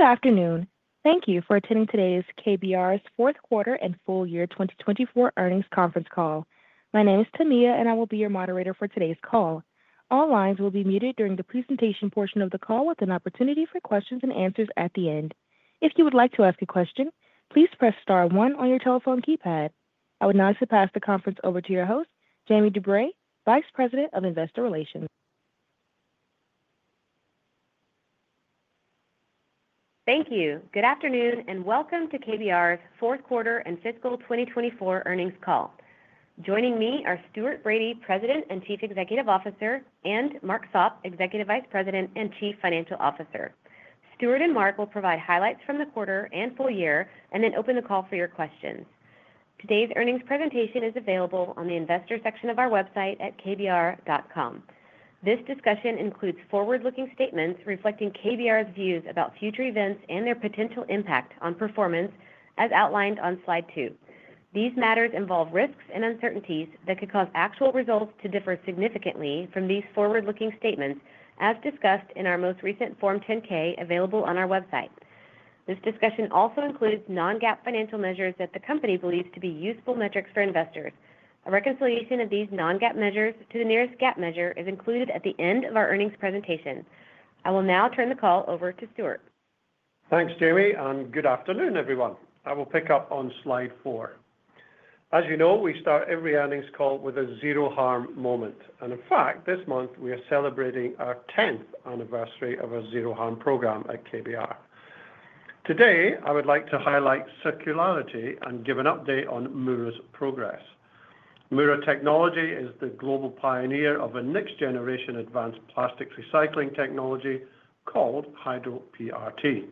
Good afternoon. Thank you for attending today's KBR's fourth quarter and full year 2024 earnings conference call. My name is Tamia, and I will be your moderator for today's call. All lines will be muted during the presentation portion of the call, with an opportunity for questions and answers at the end. If you would like to ask a question, please press star one on your telephone keypad. I will now pass the conference over to your host, Jamie DuBray, Vice President of Investor Relations. Thank you. Good afternoon and welcome to KBR's fourth quarter and fiscal 2024 earnings call. Joining me are Stuart Bradie, President and Chief Executive Officer, and Mark Sopp, Executive Vice President and Chief Financial Officer. Stuart and Mark will provide highlights from the quarter and full year and then open the call for your questions. Today's earnings presentation is available on the investor section of our website at kbr.com. This discussion includes forward-looking statements reflecting KBR's views about future events and their potential impact on performance, as outlined on slide 2. These matters involve risks and uncertainties that could cause actual results to differ significantly from these forward-looking statements, as discussed in our most recent Form 10-K available on our website. This discussion also includes non-GAAP financial measures that the company believes to be useful metrics for investors. A reconciliation of these non-GAAP measures to the nearest GAAP measure is included at the end of our earnings presentation. I will now turn the call over to Stuart. Thanks, Jamie, and good afternoon, everyone. I will pick up on slide 4. As you know, we start every earnings call with a Zero Harm moment, and in fact, this month we are celebrating our 10th anniversary of our Zero Harm program at KBR. Today, I would like to highlight circularity and give an update on Mura's progress. Mura Technology is the global pioneer of a next-generation advanced plastic recycling technology called Hydro PRT,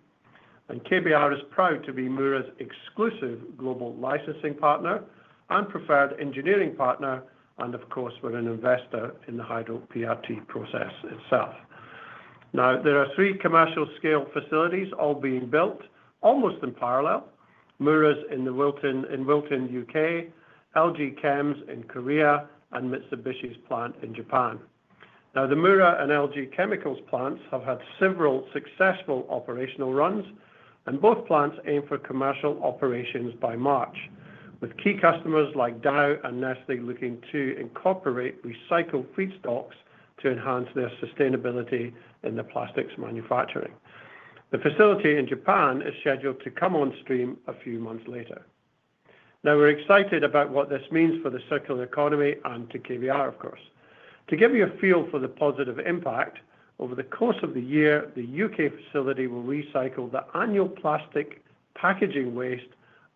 and KBR is proud to be Mura's exclusive global licensing partner and preferred engineering partner, and of course, we're an investor in the Hydro PRT process itself. Now, there are three commercial-scale facilities all being built almost in parallel: Mura's in Wilton, U.K.; LG Chem's in Korea; and Mitsubishi's plant in Japan. Now, the Mura and LG Chem plants have had several successful operational runs, and both plants aim for commercial operations by March, with key customers like Dow and Nestlé looking to incorporate recycled feedstocks to enhance their sustainability in the plastics manufacturing. The facility in Japan is scheduled to come on stream a few months later. Now, we're excited about what this means for the circular economy and to KBR, of course. To give you a feel for the positive impact, over the course of the year, the UK facility will recycle the annual plastic packaging waste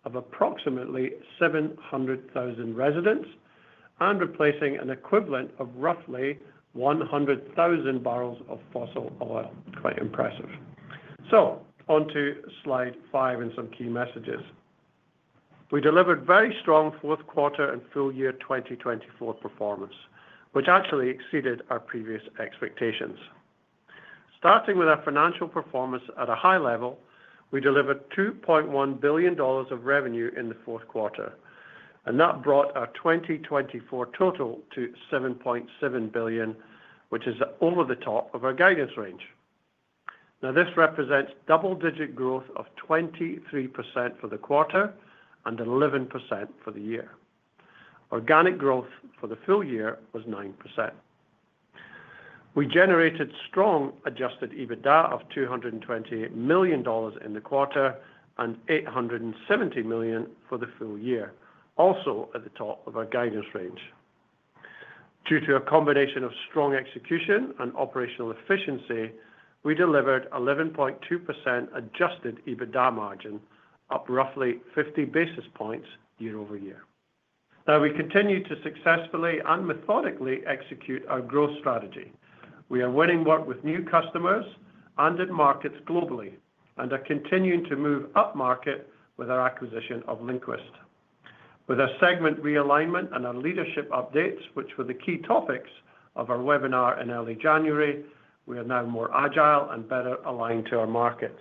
of approximately 700,000 residents and replacing an equivalent of roughly 100,000 barrels of fossil oil. Quite impressive. So, onto slide 5 and some key messages. We delivered very strong fourth quarter and full year 2024 performance, which actually exceeded our previous expectations. Starting with our financial performance at a high level, we delivered $2.1 billion of revenue in the fourth quarter, and that brought our 2024 total to $7.7 billion, which is over the top of our guidance range. Now, this represents double-digit growth of 23% for the quarter and 11% for the year. Organic growth for the full year was 9%. We generated strong adjusted EBITDA of $228 million in the quarter and $870 million for the full year, also at the top of our guidance range. Due to a combination of strong execution and operational efficiency, we delivered 11.2% adjusted EBITDA margin, up roughly 50 basis points year over year. Now, we continue to successfully and methodically execute our growth strategy. We are winning work with new customers and in markets globally and are continuing to move up market with our acquisition of LinQuest. With our segment realignment and our leadership updates, which were the key topics of our webinar in early January, we are now more agile and better aligned to our markets.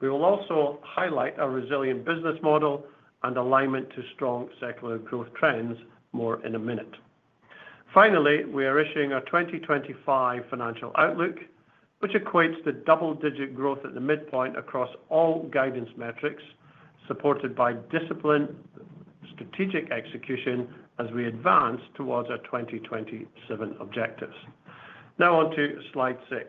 We will also highlight our resilient business model and alignment to strong circular growth trends more in a minute. Finally, we are issuing our 2025 financial outlook, which equates to double-digit growth at the midpoint across all guidance metrics, supported by disciplined strategic execution as we advance towards our 2027 objectives. Now, onto slide 6.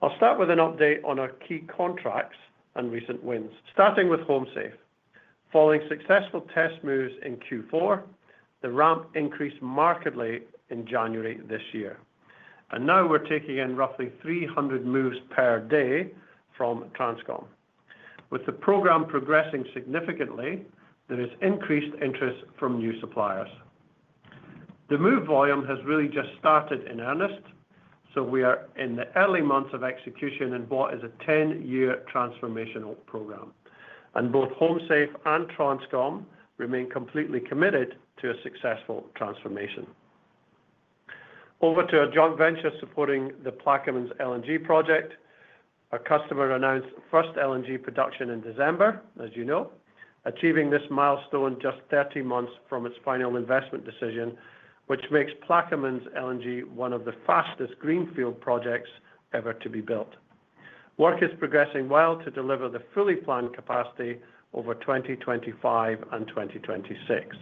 I'll start with an update on our key contracts and recent wins. Starting with HomeSafe, following successful test moves in Q4, the ramp increased markedly in January this year. And now we're taking in roughly 300 moves per day from Transcom. With the program progressing significantly, there is increased interest from new suppliers. The move volume has really just started in earnest, so we are in the early months of execution in what is a 10-year transformational program, and both HomeSafe and Transcom remain completely committed to a successful transformation. Over to a joint venture supporting the Plaquemines LNG project. Our customer announced first LNG production in December, as you know, achieving this milestone just 30 months from its final investment decision, which makes Plaquemines LNG one of the fastest greenfield projects ever to be built. Work is progressing well to deliver the fully planned capacity over 2025 and 2026,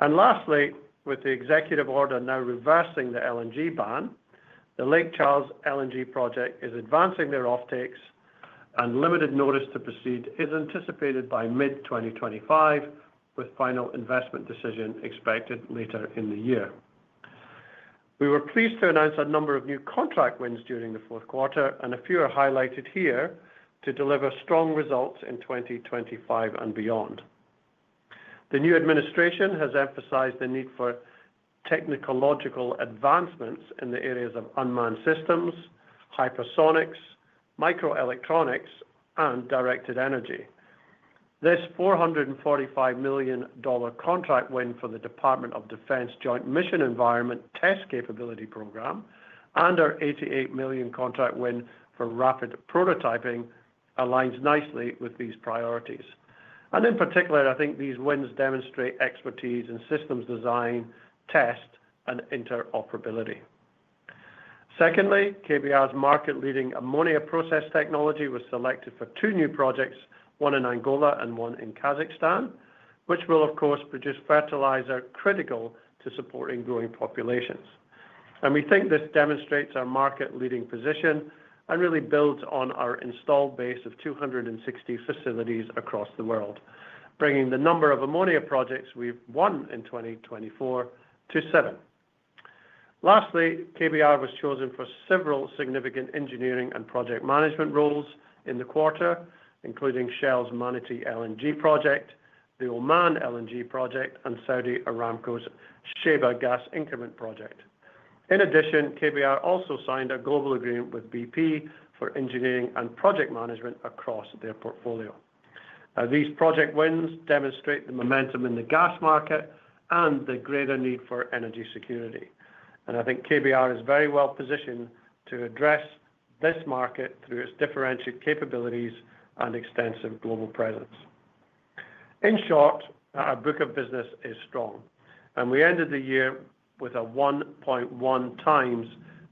and lastly, with the executive order now reversing the LNG ban, the Lake Charles LNG project is advancing their offtakes, and limited notice to proceed is anticipated by mid-2025, with final investment decision expected later in the year. We were pleased to announce a number of new contract wins during the fourth quarter, and a few are highlighted here to deliver strong results in 2025 and beyond. The new administration has emphasized the need for technological advancements in the areas of unmanned systems, hypersonics, microelectronics, and directed energy. This $445 million contract win for the Department of Defense Joint Mission Environment Test Capability Program and our $88 million contract win for rapid prototyping aligns nicely with these priorities. And in particular, I think these wins demonstrate expertise in systems design, test, and interoperability. Secondly, KBR's market-leading ammonia process technology was selected for two new projects, one in Angola and one in Kazakhstan, which will, of course, produce fertilizer critical to supporting growing populations. We think this demonstrates our market-leading position and really builds on our installed base of 260 facilities across the world, bringing the number of ammonia projects we've won in 2024 to seven. Lastly, KBR was chosen for several significant engineering and project management roles in the quarter, including Shell's Manatee LNG project, the Oman LNG project, and Saudi Aramco's Shaybah gas increment project. In addition, KBR also signed a global agreement with BP for engineering and project management across their portfolio. Now, these project wins demonstrate the momentum in the gas market and the greater need for energy security. And I think KBR is very well positioned to address this market through its differentiated capabilities and extensive global presence. In short, our book of business is strong, and we ended the year with a 1.1 times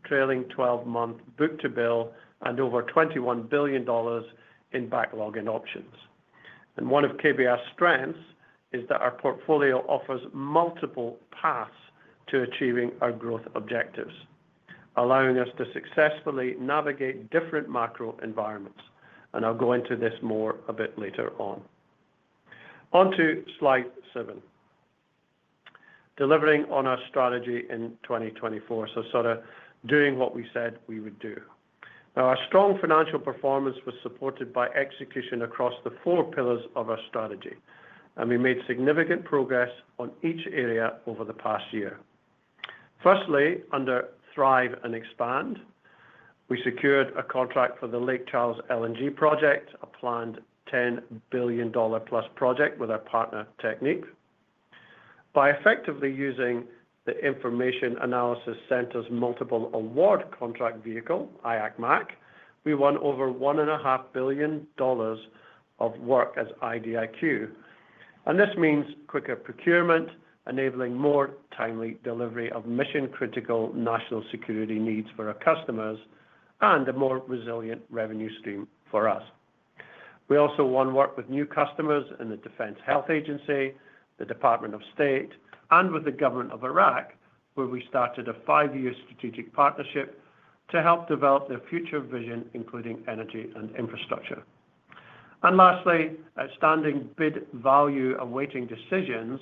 trailing 12-month book-to-bill and over $21 billion in backlog and options. One of KBR's strengths is that our portfolio offers multiple paths to achieving our growth objectives, allowing us to successfully navigate different macro environments. I'll go into this more a bit later on. Onto slide 7, delivering on our strategy in 2024, so sort of doing what we said we would do. Now, our strong financial performance was supported by execution across the four pillars of our strategy, and we made significant progress on each area over the past year. Firstly, under Thrive and Expand, we secured a contract for the Lake Charles LNG project, a planned $10 billion-plus project with our partner Technip Energies. By effectively using the Information Analysis Center Multiple Award Contract vehicle, IAC MAC, we won over $1.5 billion of work as IDIQ. This means quicker procurement, enabling more timely delivery of mission-critical national security needs for our customers and a more resilient revenue stream for us. We also won work with new customers in the Defense Health Agency, the Department of State, and with the government of Iraq, where we started a five-year strategic partnership to help develop their future vision, including energy and infrastructure. Lastly, outstanding bid value awaiting decisions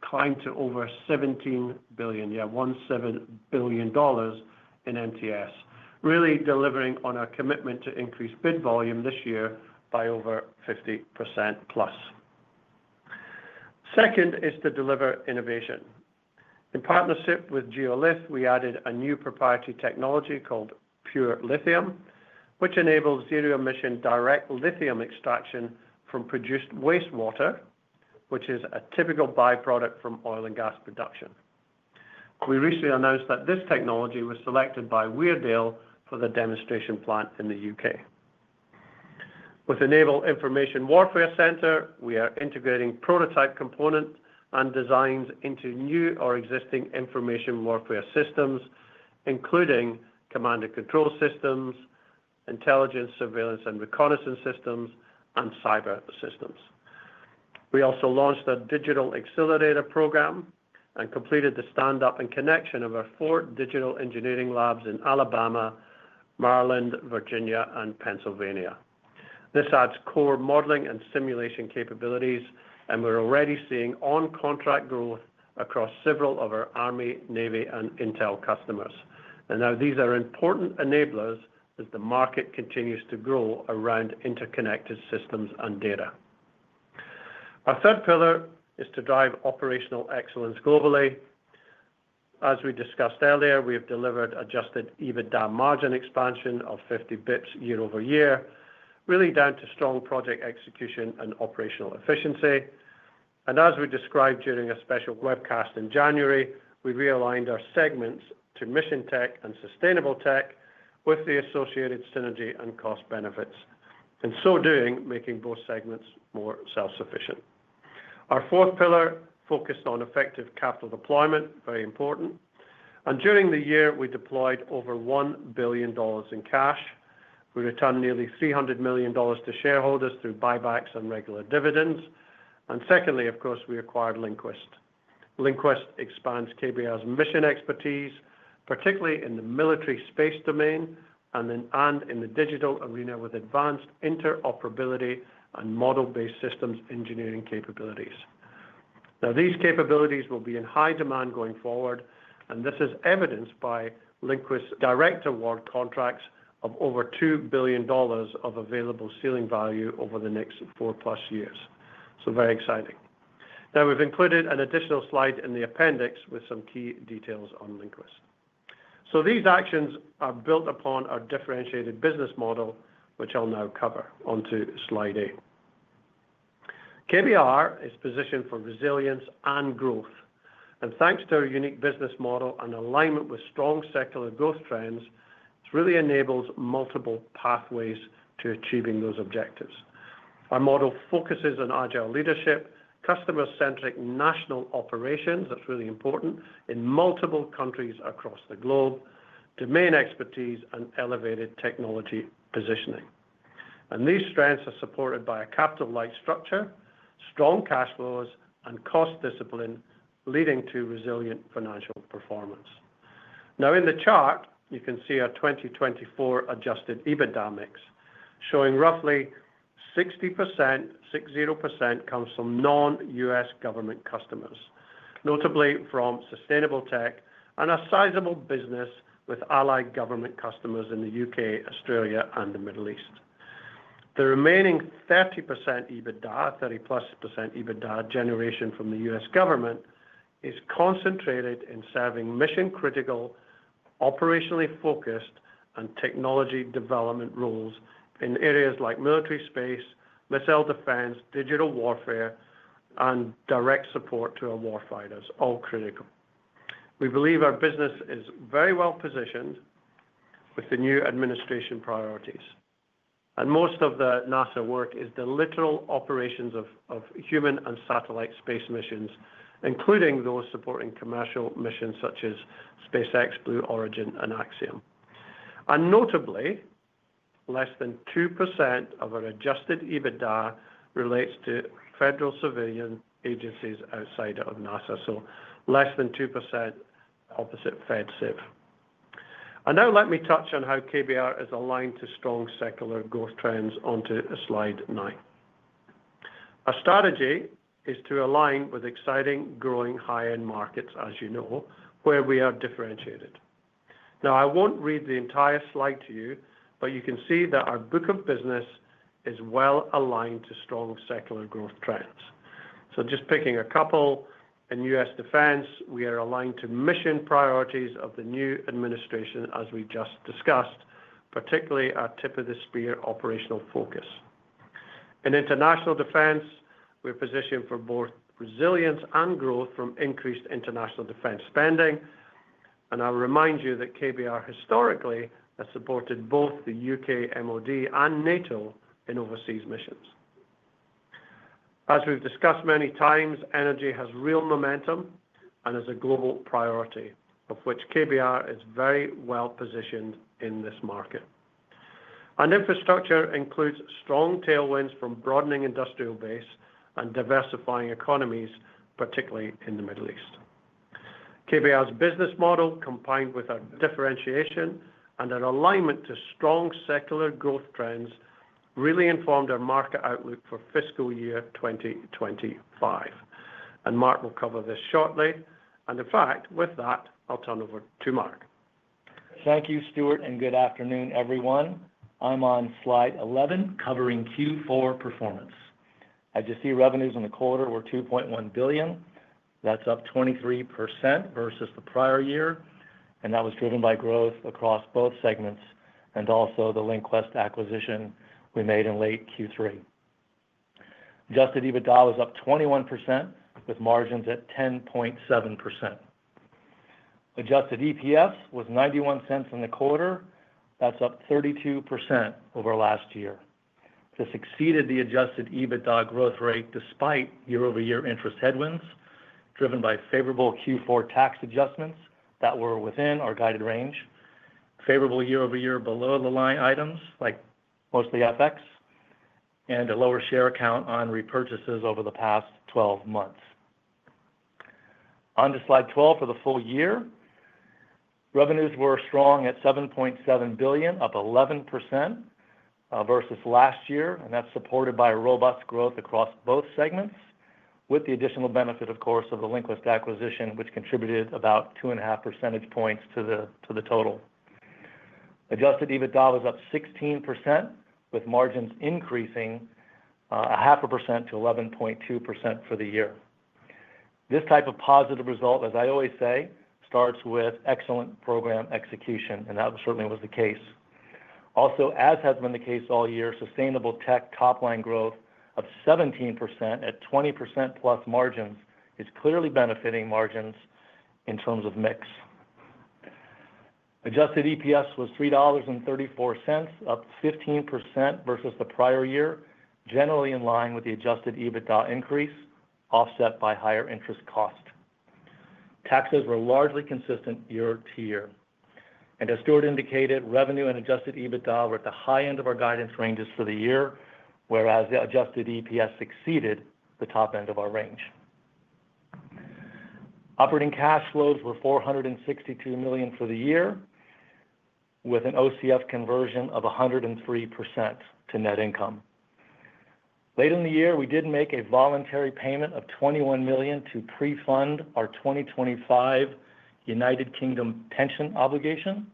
climbed to over $17 billion, yeah, $17 billion in MTS, really delivering on our commitment to increase bid volume this year by over 50% plus. Second is to deliver innovation. In partnership with Geolith, we added a new proprietary technology called Pure Lithium, which enables zero-emission direct lithium extraction from produced wastewater, which is a typical byproduct from oil and gas production. We recently announced that this technology was selected by Weardale for the demonstration plant in the U.K. With Naval Information Warfare Center, we are integrating prototype components and designs into new or existing information warfare systems, including command and control systems, intelligence, surveillance and reconnaissance systems, and cyber systems. We also launched a digital accelerator program and completed the stand-up and connection of our four digital engineering labs in Alabama, Maryland, Virginia, and Pennsylvania. This adds core modeling and simulation capabilities, and we're already seeing on-contract growth across several of our Army, Navy, and Intel customers. Now these are important enablers as the market continues to grow around interconnected systems and data. Our third pillar is to drive operational excellence globally. As we discussed earlier, we have delivered adjusted EBITDA margin expansion of 50 basis points year over year, really down to strong project execution and operational efficiency. As we described during a special webcast in January, we realigned our segments to mission tech and sustainable tech with the associated synergy and cost benefits, and in so doing, making both segments more self-sufficient. Our fourth pillar focused on effective capital deployment, very important. During the year, we deployed over $1 billion in cash. We returned nearly $300 million to shareholders through buybacks and regular dividends. Secondly, of course, we acquired LinQuest. LinQuest expands KBR's mission expertise, particularly in the military space domain and in the digital arena with advanced interoperability and model-based systems engineering capabilities. These capabilities will be in high demand going forward, and this is evidenced by LinQuest's direct award contracts of over $2 billion of available ceiling value over the next four-plus years. Very exciting. We've included an additional slide in the appendix with some key details on LinQuest. These actions are built upon our differentiated business model, which I'll now cover onto slide 8. KBR is positioned for resilience and growth. Thanks to our unique business model and alignment with strong circular growth trends, it's really enabled multiple pathways to achieving those objectives. Our model focuses on agile leadership, customer-centric national operations, that's really important, in multiple countries across the globe, domain expertise, and elevated technology positioning. These strengths are supported by a capital-light structure, strong cash flows, and cost discipline, leading to resilient financial performance. Now, in the chart, you can see our 2024 Adjusted EBITDA mix, showing roughly 60% comes from non-U.S. government customers, notably from sustainable tech and a sizable business with allied government customers in the U.K., Australia, and the Middle East. The remaining 30% EBITDA, 30-plus% EBITDA generation from the U.S. government, is concentrated in serving mission-critical, operationally focused, and technology development roles in areas like military space, missile defense, digital warfare, and direct support to our warfighters, all critical. We believe our business is very well positioned with the new administration priorities. And most of the NASA work is the literal operations of human and satellite space missions, including those supporting commercial missions such as SpaceX, Blue Origin, and Axiom. And notably, less than 2% of our adjusted EBITDA relates to federal civilian agencies outside of NASA, so less than 2% opposite FedSafe. And now let me touch on how KBR is aligned to strong circular growth trends onto slide 9. Our strategy is to align with exciting, growing high-end markets, as you know, where we are differentiated. Now, I won't read the entire slide to you, but you can see that our book of business is well aligned to strong circular growth trends. So just picking a couple, in U.S. defense, we are aligned to mission priorities of the new administration, as we just discussed, particularly our tip-of-the-spear operational focus. In international defense, we're positioned for both resilience and growth from increased international defense spending. And I'll remind you that KBR historically has supported both the U.K., MoD, and NATO in overseas missions. As we've discussed many times, energy has real momentum and is a global priority, of which KBR is very well positioned in this market. And infrastructure includes strong tailwinds from broadening industrial base and diversifying economies, particularly in the Middle East. KBR's business model, combined with our differentiation and our alignment to strong circular growth trends, really informed our market outlook for fiscal year 2025. And Mark will cover this shortly. And in fact, with that, I'll turn over to Mark. Thank you, Stuart, and good afternoon, everyone. I'm on slide 11, covering Q4 performance. As you see, revenues in the quarter were $2.1 billion. That's up 23% versus the prior year. And that was driven by growth across both segments and also the LinQuest acquisition we made in late Q3. Adjusted EBITDA was up 21%, with margins at 10.7%. Adjusted EPS was $0.91 in the quarter. That's up 32% over last year. This exceeded the adjusted EBITDA growth rate despite year-over-year interest headwinds, driven by favorable Q4 tax adjustments that were within our guided range, favorable year-over-year below-the-line items like mostly FX, and a lower share count on repurchases over the past 12 months. Onto slide 12 for the full year. Revenues were strong at $7.7 billion, up 11% versus last year. And that's supported by robust growth across both segments, with the additional benefit, of course, of the LinQuest acquisition, which contributed about two-and-a-half percentage points to the total. Adjusted EBITDA was up 16%, with margins increasing 0.5% to 11.2% for the year. This type of positive result, as I always say, starts with excellent program execution. And that certainly was the case. Also, as has been the case all year, sustainable tech top-line growth of 17% at 20%+ margins is clearly benefiting margins in terms of mix. Adjusted EPS was $3.34, up 15% versus the prior year, generally in line with the adjusted EBITDA increase, offset by higher interest cost. Taxes were largely consistent year-to-year. And as Stuart indicated, revenue and adjusted EBITDA were at the high end of our guidance ranges for the year, whereas the adjusted EPS exceeded the top end of our range. Operating cash flows were $462 million for the year, with an OCF conversion of 103% to net income. Late in the year, we did make a voluntary payment of $21 million to pre-fund our 2025 United Kingdom pension obligation.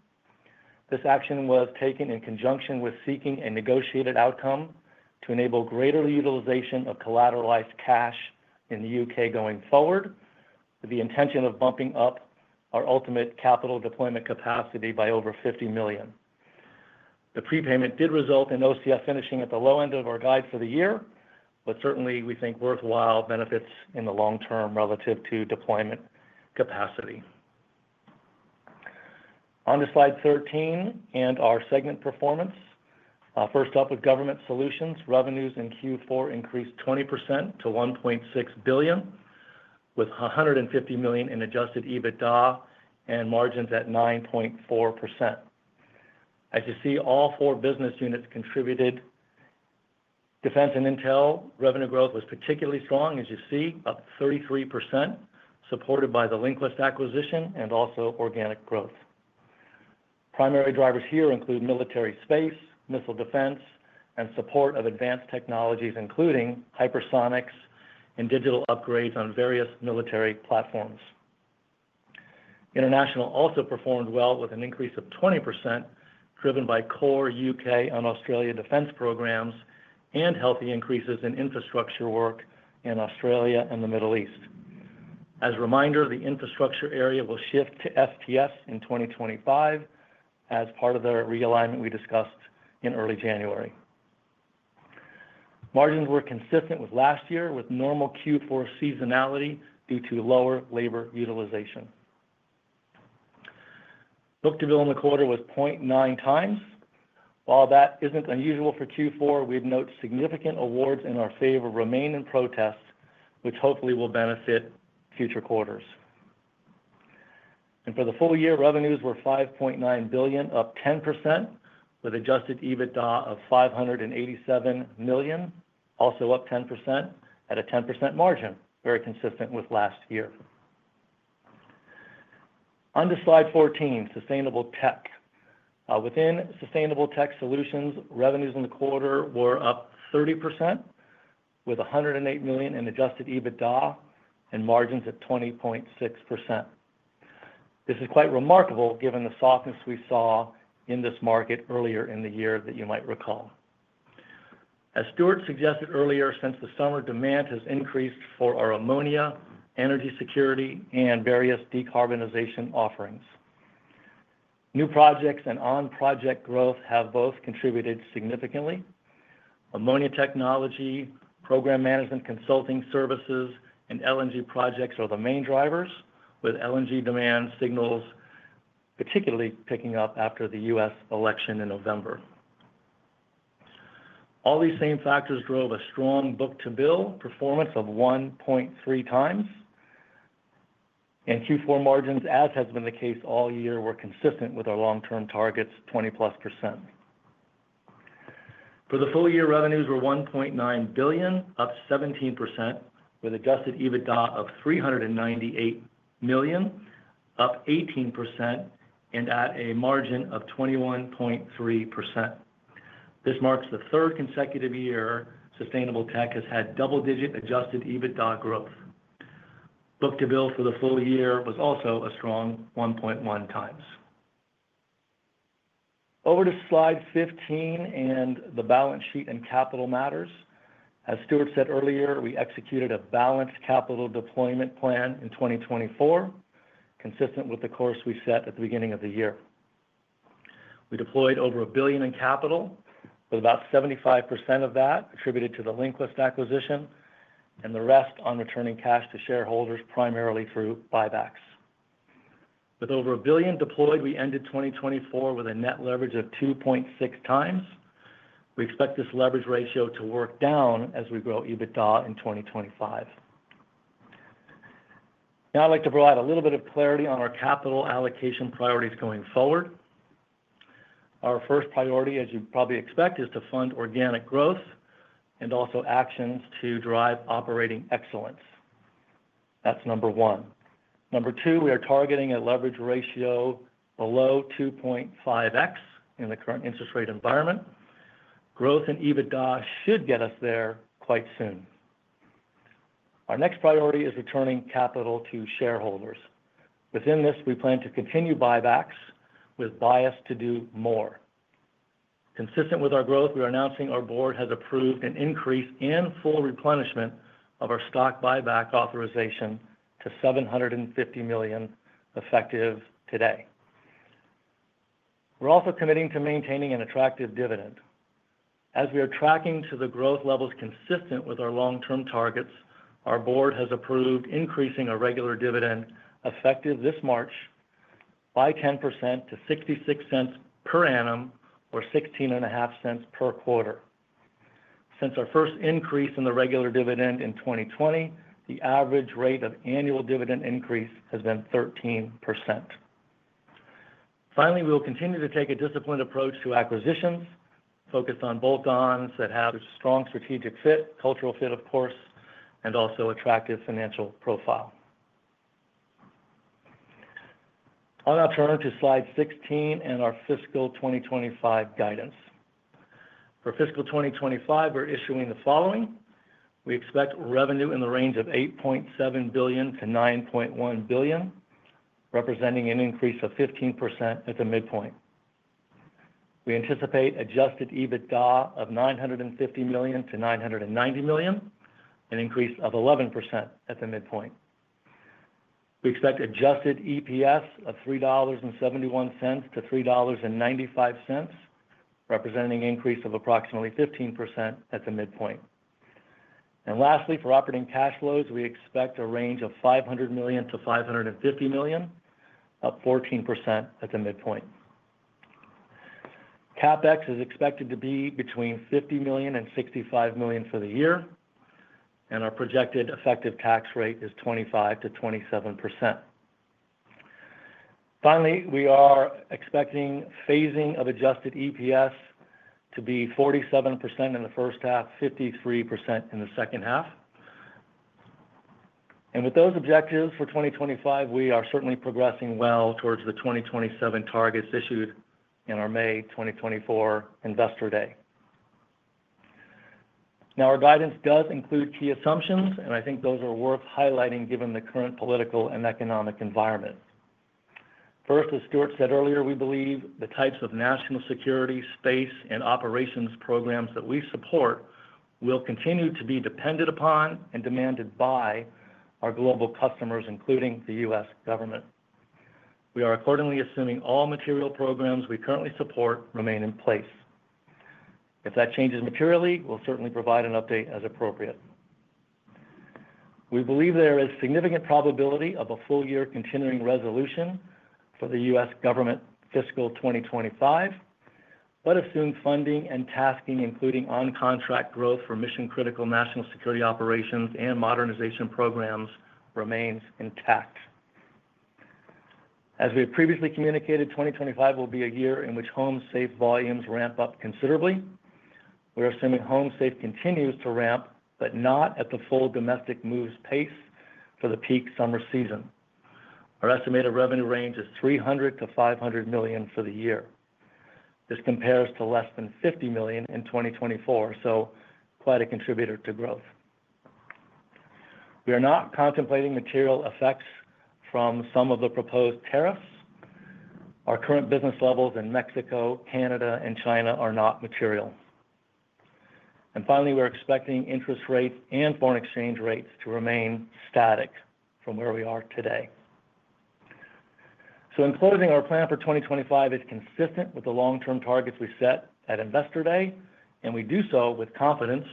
This action was taken in conjunction with seeking a negotiated outcome to enable greater utilization of collateralized cash in the U.K. going forward, with the intention of bumping up our ultimate capital deployment capacity by over $50 million. The pre-payment did result in OCF finishing at the low end of our guide for the year, but certainly, we think worthwhile benefits in the long term relative to deployment capacity. Onto slide 13 and our segment performance. First up with government solutions, revenues in Q4 increased 20% to $1.6 billion, with $150 million in Adjusted EBITDA and margins at 9.4%. As you see, all four business units contributed. Defense and Intel revenue growth was particularly strong, as you see, up 33%, supported by the LinQuest acquisition and also organic growth. Primary drivers here include military space, missile defense, and support of advanced technologies, including hypersonics and digital upgrades on various military platforms. International also performed well with an increase of 20%, driven by core U.K. and Australia defense programs and healthy increases in infrastructure work in Australia and the Middle East. As a reminder, the infrastructure area will shift to FTS in 2025 as part of the realignment we discussed in early January. Margins were consistent with last year, with normal Q4 seasonality due to lower labor utilization. Book-to-bill in the quarter was 0.9 times. While that isn't unusual for Q4, we'd note significant awards in our favor remain in protests, which hopefully will benefit future quarters. For the full year, revenues were $5.9 billion, up 10%, with adjusted EBITDA of $587 million, also up 10% at a 10% margin, very consistent with last year. On to slide 14, sustainable tech. Within sustainable tech solutions, revenues in the quarter were up 30%, with $108 million in adjusted EBITDA and margins at 20.6%. This is quite remarkable given the softness we saw in this market earlier in the year that you might recall. As Stuart suggested earlier, since the summer, demand has increased for our ammonia, energy security, and various decarbonization offerings. New projects and on-project growth have both contributed significantly. Ammonia technology, program management consulting services, and LNG projects are the main drivers, with LNG demand signals particularly picking up after the U.S. election in November. All these same factors drove a strong book to bill performance of 1.3 times. Q4 margins, as has been the case all year, were consistent with our long-term targets, 20-plus %. For the full year, revenues were $1.9 billion, up 17%, with adjusted EBITDA of $398 million, up 18%, and at a margin of 21.3%. This marks the third consecutive year sustainable tech has had double-digit adjusted EBITDA growth. Book-to-bill for the full year was also a strong 1.1 times. Over to slide 15 and the balance sheet and capital matters. As Stuart said earlier, we executed a balanced capital deployment plan in 2024, consistent with the course we set at the beginning of the year. We deployed over $1 billion in capital, with about 75% of that attributed to the LinQuest acquisition and the rest on returning cash to shareholders primarily through buybacks. With over $1 billion deployed, we ended 2024 with a net leverage of 2.6 times. We expect this leverage ratio to work down as we grow EBITDA in 2025. Now, I'd like to provide a little bit of clarity on our capital allocation priorities going forward. Our first priority, as you probably expect, is to fund organic growth and also actions to drive operating excellence. That's number one. Number two, we are targeting a leverage ratio below 2.5x in the current interest rate environment. Growth in EBITDA should get us there quite soon. Our next priority is returning capital to shareholders. Within this, we plan to continue buybacks with bias to do more. Consistent with our growth, we are announcing our board has approved an increase in full replenishment of our stock buyback authorization to $750 million effective today. We're also committing to maintaining an attractive dividend. As we are tracking to the growth levels consistent with our long-term targets, our board has approved increasing a regular dividend effective this March by 10% to $0.66 per annum or $0.16 per quarter. Since our first increase in the regular dividend in 2020, the average rate of annual dividend increase has been 13%. Finally, we will continue to take a disciplined approach to acquisitions, focused on bolt-ons that have a strong strategic fit, cultural fit, of course, and also attractive financial profile. I'll now turn to slide 16 and our fiscal 2025 guidance. For fiscal 2025, we're issuing the following. We expect revenue in the range of $8.7 billion-$9.1 billion, representing an increase of 15% at the midpoint. We anticipate Adjusted EBITDA of $950 million-$990 million, an increase of 11% at the midpoint. We expect adjusted EPS of $3.71-$3.95, representing an increase of approximately 15% at the midpoint. And lastly, for operating cash flows, we expect a range of $500 million-$550 million, up 14% at the midpoint. CapEx is expected to be between $50 million and $65 million for the year, and our projected effective tax rate is 25%-27%. Finally, we are expecting phasing of adjusted EPS to be 47% in the first half, 53% in the second half. And with those objectives for 2025, we are certainly progressing well towards the 2027 targets issued in our May 2024 Investor Day. Now, our guidance does include key assumptions, and I think those are worth highlighting given the current political and economic environment. First, as Stuart said earlier, we believe the types of national security, space, and operations programs that we support will continue to be dependent upon and demanded by our global customers, including the U.S. government. We are accordingly assuming all material programs we currently support remain in place. If that changes materially, we'll certainly provide an update as appropriate. We believe there is significant probability of a full-year continuing resolution for the U.S. government fiscal 2025, but assume funding and tasking, including on-contract growth for mission-critical national security operations and modernization programs, remains intact. As we have previously communicated, 2025 will be a year in which HomeSafe volumes ramp up considerably. We're assuming HomeSafe continues to ramp, but not at the full domestic moves pace for the peak summer season. Our estimated revenue range is $300 million-$500 million for the year. This compares to less than $50 million in 2024, so quite a contributor to growth. We are not contemplating material effects from some of the proposed tariffs. Our current business levels in Mexico, Canada, and China are not material. And finally, we're expecting interest rates and foreign exchange rates to remain static from where we are today. So in closing, our plan for 2025 is consistent with the long-term targets we set at Investor Day, and we do so with confidence,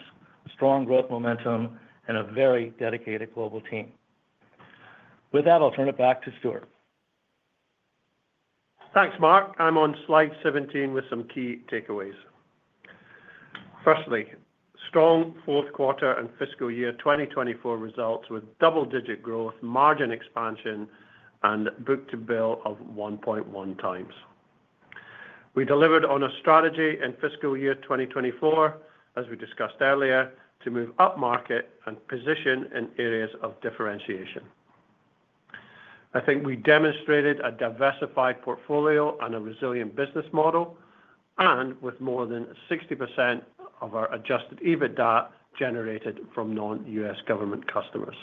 strong growth momentum, and a very dedicated global team. With that, I'll turn it back to Stuart. Thanks, Mark. I'm on slide 17 with some key takeaways. Firstly, strong fourth quarter and fiscal year 2024 results with double-digit growth, margin expansion, and book-to-bill of 1.1 times. We delivered on a strategy in fiscal year 2024, as we discussed earlier, to move up market and position in areas of differentiation. I think we demonstrated a diversified portfolio and a resilient business model, and with more than 60% of our Adjusted EBITDA generated from non-U.S. government customers.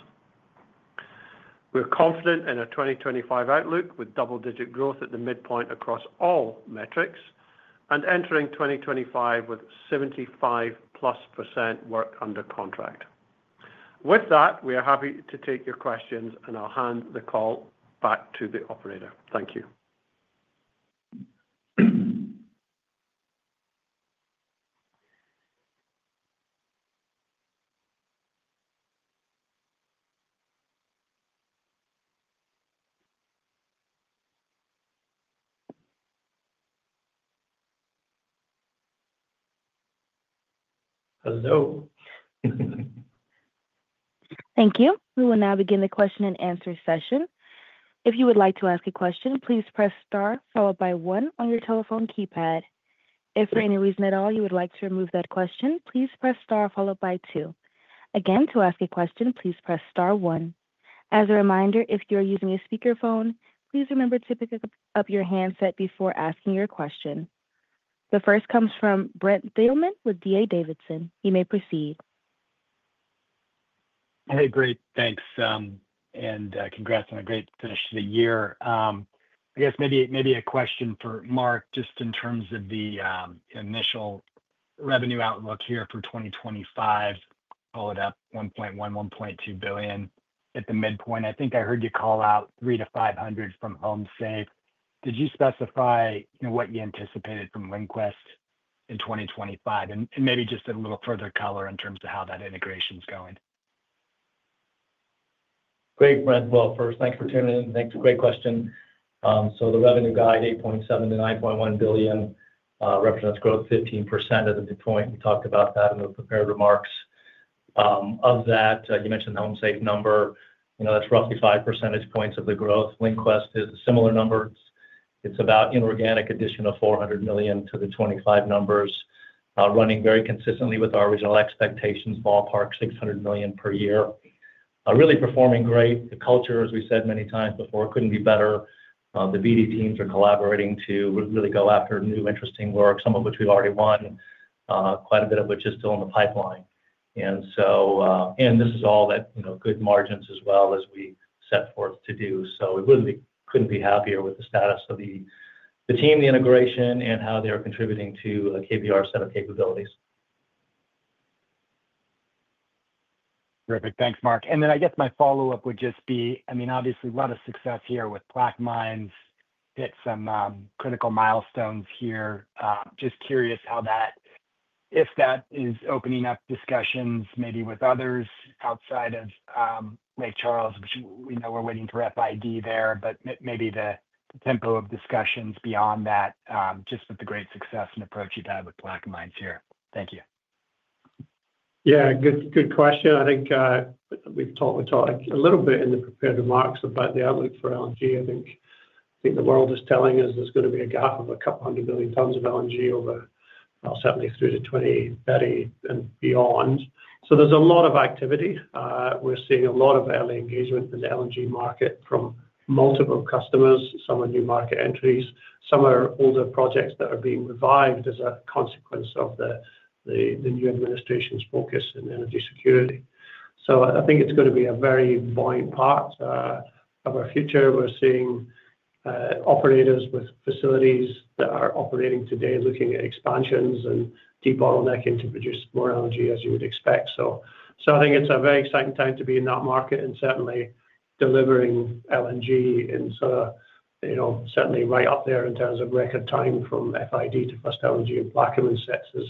We're confident in our 2025 outlook with double-digit growth at the midpoint across all metrics and entering 2025 with 75-plus% work under contract. With that, we are happy to take your questions, and I'll hand the call back to the operator. Thank you Thank you. We will now begin the question and answer session. If you would like to ask a question, please press Star, followed by one, on your telephone keypad. If for any reason at all you would like to remove that question, please press Star, followed by two. Again, to ask a question, please press star onw. As a reminder, if you're using a speakerphone, please remember to pick up your handset before asking your question. The first comes from Brent Thielman with D.A. Davidson. You may proceed. Hey, great. Thanks, and congrats on a great finish to the year. I guess maybe a question for Mark just in terms of the initial revenue outlook here for 2025, called it up $1.1-$1.2 billion at the midpoint. I think I heard you call out $300-$500 from HomeSafe. Did you specify what you anticipated from LinQuest in 2025? And maybe just a little further color in terms of how that integration's going. Great, Brent. Well, first, thanks for tuning in. Thanks for the great question. So the revenue guide, $8.7-$9.1 billion, represents 15% growth at the midpoint. We talked about that in the prepared remarks. Of that, you mentioned the HomeSafe number. That's roughly five percentage points of the growth. LinQuest is a similar number. It's about inorganic addition of $400 million to the 2025 numbers, running very consistently with our original expectations, ballpark $600 million per year. Really performing great. The culture, as we said many times before, couldn't be better. The BD teams are collaborating to really go after new interesting work, some of which we've already won, quite a bit of which is still in the pipeline, and this is all at good margins as well as we set forth to do, so we couldn't be happier with the status of the team, the integration, and how they're contributing to KBR's set of capabilities. Terrific. Thanks, Mark. And then I guess my follow-up would just be. I mean, obviously, a lot of success here with [Black Minds] hit some critical milestones here. Just curious how that, if that is opening up discussions maybe with others outside of Lake Charles, which we know we're waiting for FID there, but maybe the tempo of discussions beyond that, just with the great success and approach you've had with [Black Minds] here. Thank you. Yeah, good question. I think we've talked a little bit in the prepared remarks about the outlook for LNG. I think the world is telling us there's going to be a gap of a couple hundred million tons of LNG over, well, certainly through to 2030 and beyond. So there's a lot of activity. We're seeing a lot of early engagement in the LNG market from multiple customers, some are new market entries, some are older projects that are being revived as a consequence of the new administration's focus in energy security. So I think it's going to be a very buoyant part of our future. We're seeing operators with facilities that are operating today looking at expansions and de-bottlenecking to produce more energy as you would expect. So I think it's a very exciting time to be in that market and certainly delivering LNG, in sort of certainly right up there in terms of record time from FID to first LNG, and KBR is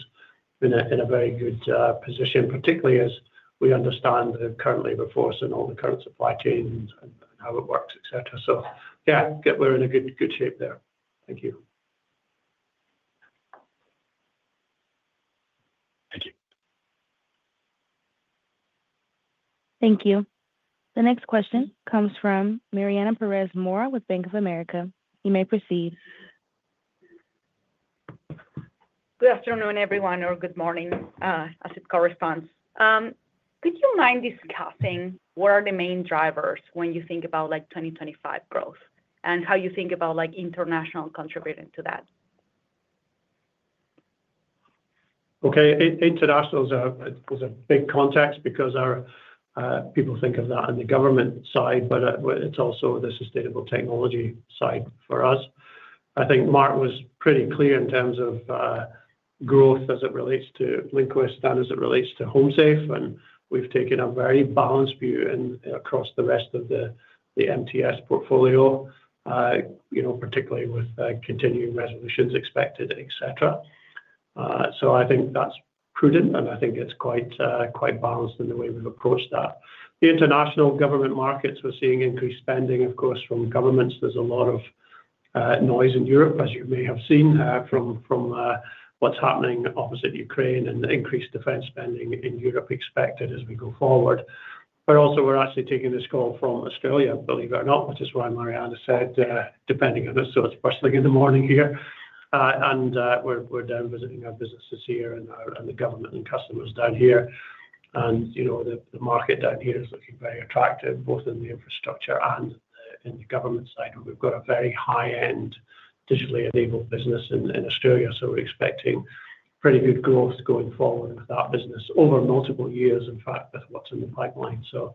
in a very good position, particularly as we understand the current labor force and all the current supply chains and how it works, etc. So yeah, we're in a good shape there. Thank you. Thank you. Thank you. The next question comes from Mariana Pérez Mora with Bank of America. You may proceed. Good afternoon, everyone, or good morning, as it corresponds. Could you mind discussing what are the main drivers when you think about 2025 growth and how you think about international contributing to that? Okay. International is a big context because people think of that on the government side, but it's also the sustainable technology side for us. I think Mark was pretty clear in terms of growth as it relates to LinQuest and as it relates to HomeSafe, and we've taken a very balanced view across the rest of the MTS portfolio, particularly with continuing resolutions expected, etc. So I think that's prudent, and I think it's quite balanced in the way we've approached that. The international government markets, we're seeing increased spending, of course, from governments. There's a lot of noise in Europe, as you may have seen, from what's happening opposite Ukraine and the increased defense spending in Europe expected as we go forward, but also, we're actually taking this call from Australia, believe it or not, which is why Mariana said, depending on us, so it's bustling in the morning here, and we're down visiting our businesses here and the government and customers down here, and the market down here is looking very attractive, both in the infrastructure and in the government side. We've got a very high-end digitally enabled business in Australia, so we're expecting pretty good growth going forward with that business over multiple years, in fact, with what's in the pipeline, so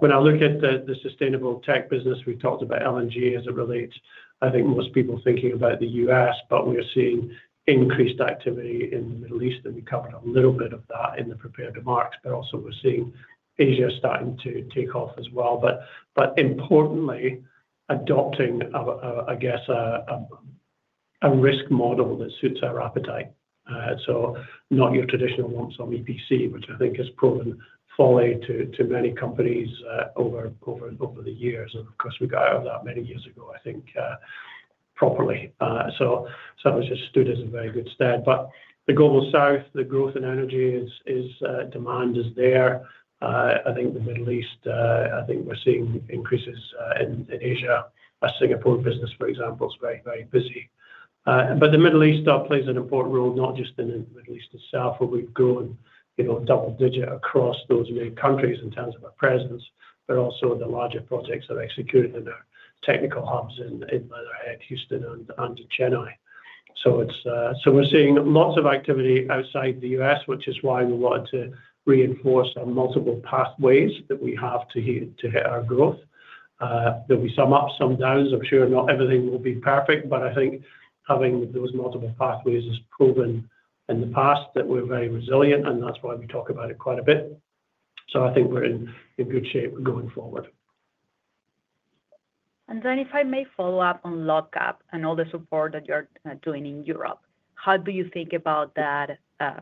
when I look at the sustainable tech business, we've talked about LNG as it relates. I think most people are thinking about the U.S., but we're seeing increased activity in the Middle East, and we covered a little bit of that in the prepared remarks, but also we're seeing Asia starting to take off as well. But importantly, adopting, I guess, a risk model that suits our appetite. So not your traditional lump sum EPC, which I think has proven folly to many companies over the years. And of course, we got out of that many years ago, I think, properly. So that was just viewed as a very good stead. But the global south, the growth in energy demand is there. I think the Middle East, I think we're seeing increases in Asia. Singapore business, for example, is very, very busy. But the Middle East plays an important role, not just in the Middle East itself, where we've grown double-digit across those many countries in terms of our presence, but also the larger projects that are executed in our technical hubs in Leatherhead, Houston, and Chennai. So we're seeing lots of activity outside the U.S., which is why we wanted to reinforce our multiple pathways that we have to hit our growth. There'll be some ups, some downs. I'm sure not everything will be perfect, but I think having those multiple pathways has proven in the past that we're very resilient, and that's why we talk about it quite a bit. So I think we're in good shape going forward. Then if I may follow up on Ukraine and all the support that you're doing in Europe, how do you think about that kind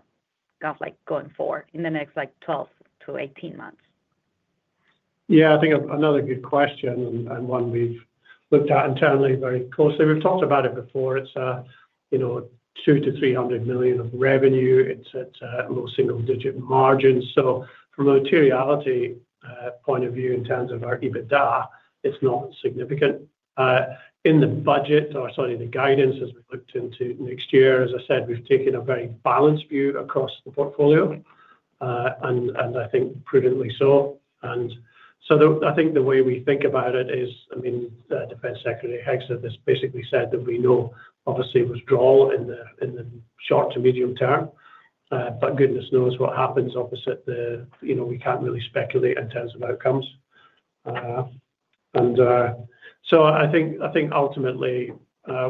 of going forward in the next 12 to 18 months? Yeah, I think another good question and one we've looked at internally very closely. We've talked about it before. It's $200 million-$300 million of revenue. It's at low single-digit margins. So from a materiality point of view, in terms of our EBITDA, it's not significant. In the budget or, sorry, the guidance, as we looked into next year, as I said, we've taken a very balanced view across the portfolio, and I think prudently so. I think the way we think about it is, I mean, Defense Secretary Hegseth has basically said that we know, obviously, withdrawal in the short to medium term, but goodness knows what happens opposite the we can't really speculate in terms of outcomes. I think ultimately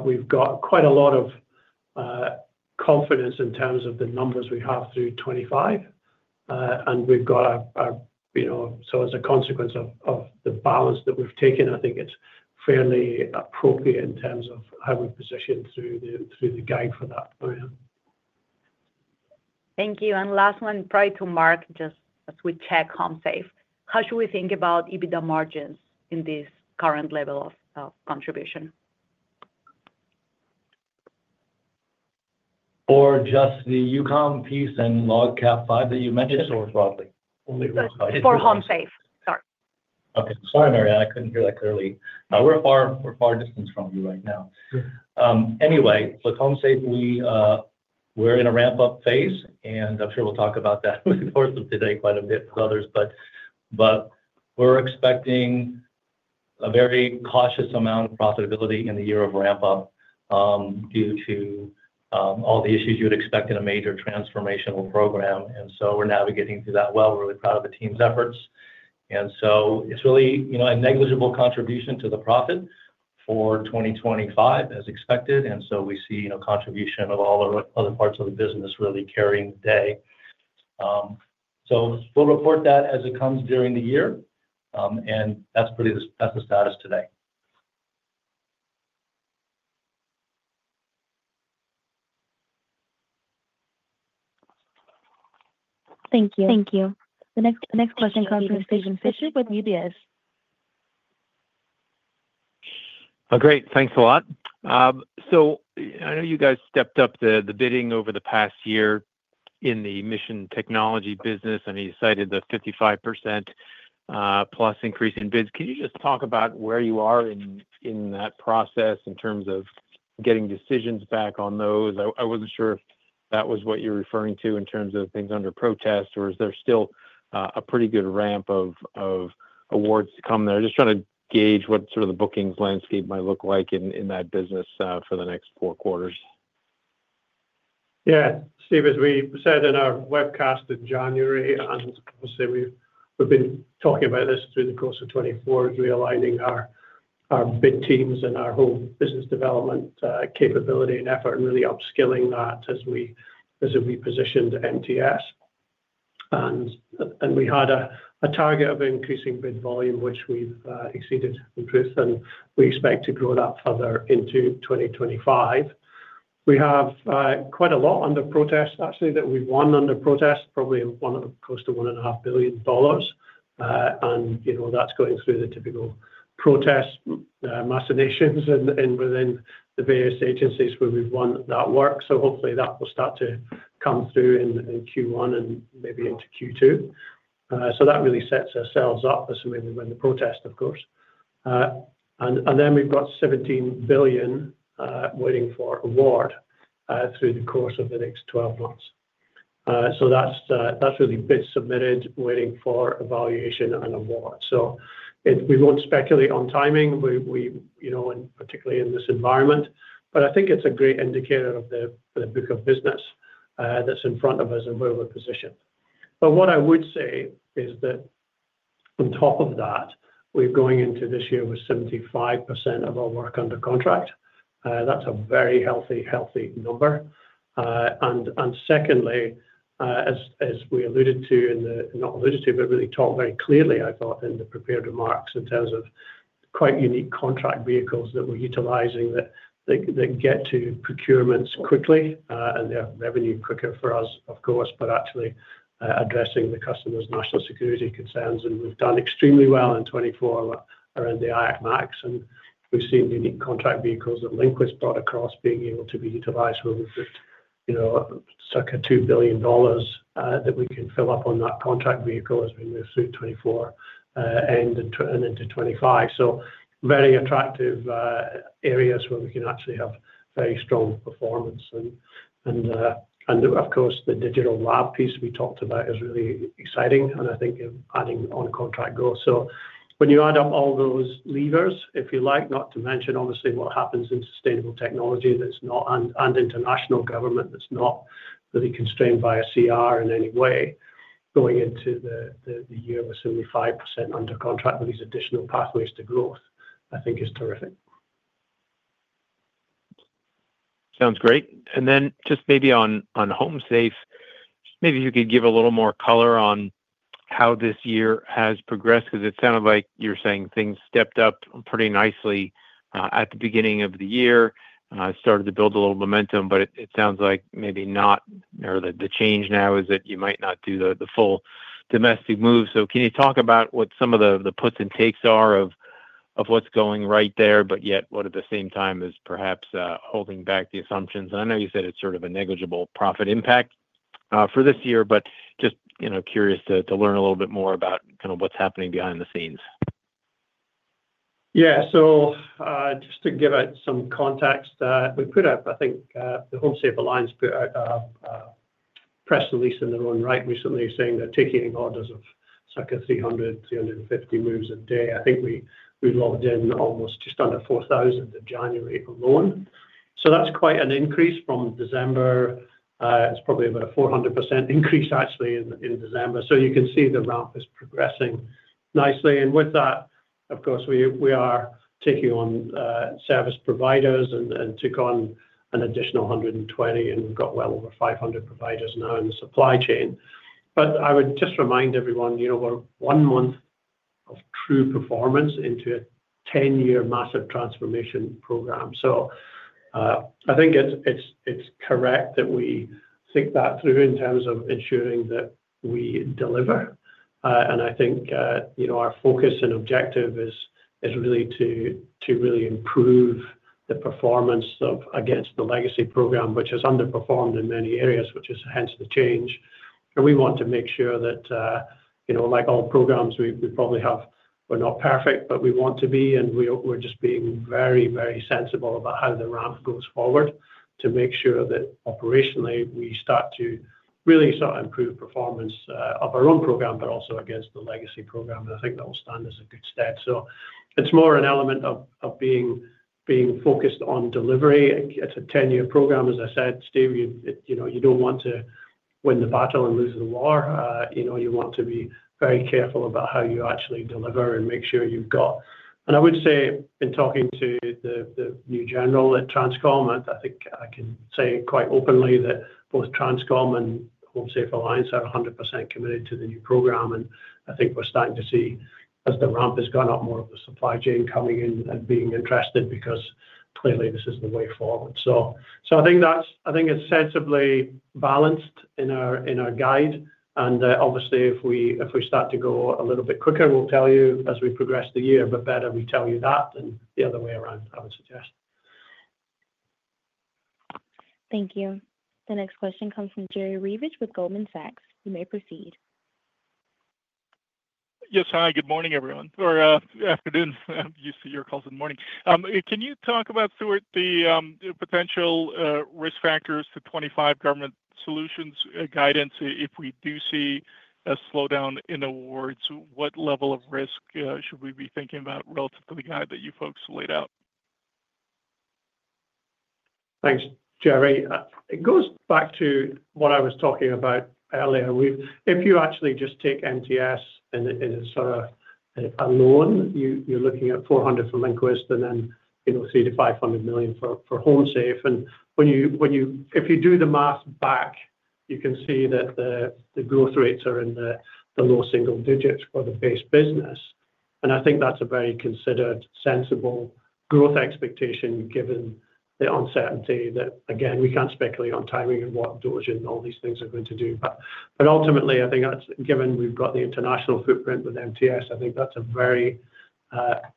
we've got quite a lot of confidence in terms of the numbers we have through 2025, and we've got our so as a consequence of the balance that we've taken, I think it's fairly appropriate in terms of how we're positioned through the guide for that. Thank you. Last one, probably to Mark, just as we check HomeSafe, how should we think about EBITDA margins in this current level of contribution? Or just the UCOM piece and LogCAP V that you mentioned? Just for HomeSafe. Sorry. Okay. Sorry, Mariana. I couldn't hear that clearly. We're far distance from you right now. Anyway, with HomeSafe, we're in a ramp-up phase, and I'm sure we'll talk about that with the course of today quite a bit with others, but we're expecting a very cautious amount of profitability in the year of ramp-up due to all the issues you would expect in a major transformational program, and so we're navigating through that well. We're really proud of the team's efforts, and so it's really a negligible contribution to the profit for 2025, as expected, and so we see contribution of all other parts of the business really carrying the day, so we'll report that as it comes during the year, and that's the status today. Thank you. Thank you. The next question comes from Stephen Fisher with UBS. Great. Thanks a lot. So I know you guys stepped up the bidding over the past year in the mission technology business, and you cited the 55% plus increase in bids. Can you just talk about where you are in that process in terms of getting decisions back on those? I wasn't sure if that was what you're referring to in terms of things under protest, or is there still a pretty good ramp of awards to come there? Just trying to gauge what sort of the bookings landscape might look like in that business for the next four quarters. Yeah. Stephen, as we said in our webcast in January, and obviously, we've been talking about this through the course of 2024, re-aligning our bid teams and our whole business development capability and effort, and really upskilling that as we positioned MTS. We had a target of increasing bid volume, which we've exceeded and proved, and we expect to grow that further into 2025. We have quite a lot under protest, actually, that we've won under protest, probably close to $1.5 billion. That's going through the typical protest machinations within the various agencies where we've won that work. Hopefully, that will start to come through in Q1 and maybe into Q2. That really sets ourselves up for some maybe win the protest, of course. Then we've got $17 billion waiting for award through the course of the next 12 months. That's really bids submitted, waiting for evaluation and award. We won't speculate on timing, particularly in this environment, but I think it's a great indicator of the book of business that's in front of us and where we're positioned. But what I would say is that on top of that, we're going into this year with 75% of our work under contract. That's a very healthy, healthy number. And secondly, as we alluded to, not alluded to, but really talked very clearly, I thought, in the prepared remarks in terms of quite unique contract vehicles that we're utilizing that get to procurements quickly, and they have revenue quicker for us, of course, but actually addressing the customer's national security concerns. And we've done extremely well in 2024 around the IAC MAC, and we've seen unique contract vehicles that LinQuest was brought across being able to be utilized where we've struck a $2 billion that we can fill up on that contract vehicle as we move through 2024 and into 2025. So very attractive areas where we can actually have very strong performance. The digital lab piece we talked about is really exciting, and I think adding on contract growth. So when you add up all those levers, if you like, not to mention, obviously, what happens in sustainable technology and international government that's not really constrained by a CR in any way, going into the year with 75% under contract with these additional pathways to growth, I think is terrific. Sounds great. Then just maybe on HomeSafe, maybe if you could give a little more color on how this year has progressed, because it sounded like you're saying things stepped up pretty nicely at the beginning of the year, started to build a little momentum, but it sounds like maybe not, or the change now is that you might not do the full domestic move. Can you talk about what some of the puts and takes are of what's going right there, but yet at the same time is perhaps holding back the assumptions? And I know you said it's sort of a negligible profit impact for this year, but just curious to learn a little bit more about kind of what's happening behind the scenes. Yeah. So just to give it some context, we put up. I think the HomeSafe Alliance put out a press release in their own right recently saying they're taking orders of circa 300-350 moves a day. I think we logged in almost just under 4,000 in January alone. So that's quite an increase from December. It's probably about a 400% increase, actually, in December. So you can see the ramp is progressing nicely. And with that, of course, we are taking on service providers and took on an additional 120, and we've got well over 500 providers now in the supply chain. But I would just remind everyone, we're one month of true performance into a 10-year massive transformation program. So I think it's correct that we think that through in terms of ensuring that we deliver. And I think our focus and objective is really to really improve the performance against the legacy program, which has underperformed in many areas, which is hence the change. And we want to make sure that, like all programs, we probably have we're not perfect, but we want to be, and we're just being very, very sensible about how the ramp goes forward to make sure that operationally we start to really start to improve performance of our own program, but also against the legacy program. And I think that will stand as a good step. So it's more an element of being focused on delivery. It's a 10-year program, as I said. Stephen, you don't want to win the battle and lose the war. You want to be very careful about how you actually deliver and make sure you've got. And I would say, in talking to the new general at Transcom, I think I can say quite openly that both Transcom and HomeSafe Alliance are 100% committed to the new program. And I think we're starting to see, as the ramp has gone up, more of the supply chain coming in and being interested because clearly this is the way forward. So I think it's sensibly balanced in our guide. And obviously, if we start to go a little bit quicker, we'll tell you as we progress the year, but better we tell you that than the other way around, I would suggest. Thank you. The next question comes from Jerry Revich with Goldman Sachs. You may proceed. Yes. Hi. Good morning, everyone, or afternoon. I'm used to your calls in the morning. Can you talk about, Stuart, the potential risk factors to 2025 government solutions guidance? If we do see a slowdown in awards, what level of risk should we be thinking about relative to the guide that you folks laid out? Thanks, Jerry. It goes back to what I was talking about earlier. If you actually just take MTS and it's sort of a lone, you're looking at $400 million for LinQuest and then $300 million-$500 million for HomeSafe. And if you do the math back, you can see that the growth rates are in the low single digits for the base business. I think that's a very considered, sensible growth expectation given the uncertainty that, again, we can't speculate on timing and what DOGE and all these things are going to do. Ultimately, I think given we've got the international footprint with MTS, that's a very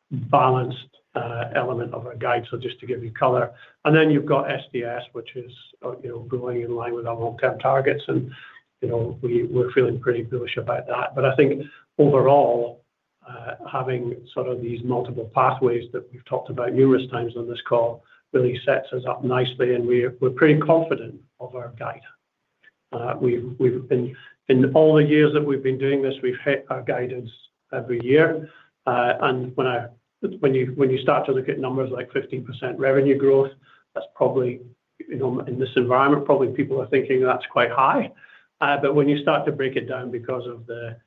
balanced element of our guide. Just to give you color, then you've got STS, which is going in line with our long-term targets, and we're feeling pretty bullish about that. Overall, having sort of these multiple pathways that we've talked about numerous times on this call really sets us up nicely, and we're pretty confident of our guide. In all the years that we've been doing this, we've hit our guidance every year. When you start to look at numbers like 15% revenue growth, that's probably in this environment, probably people are thinking that's quite high. When you start to break it down because of the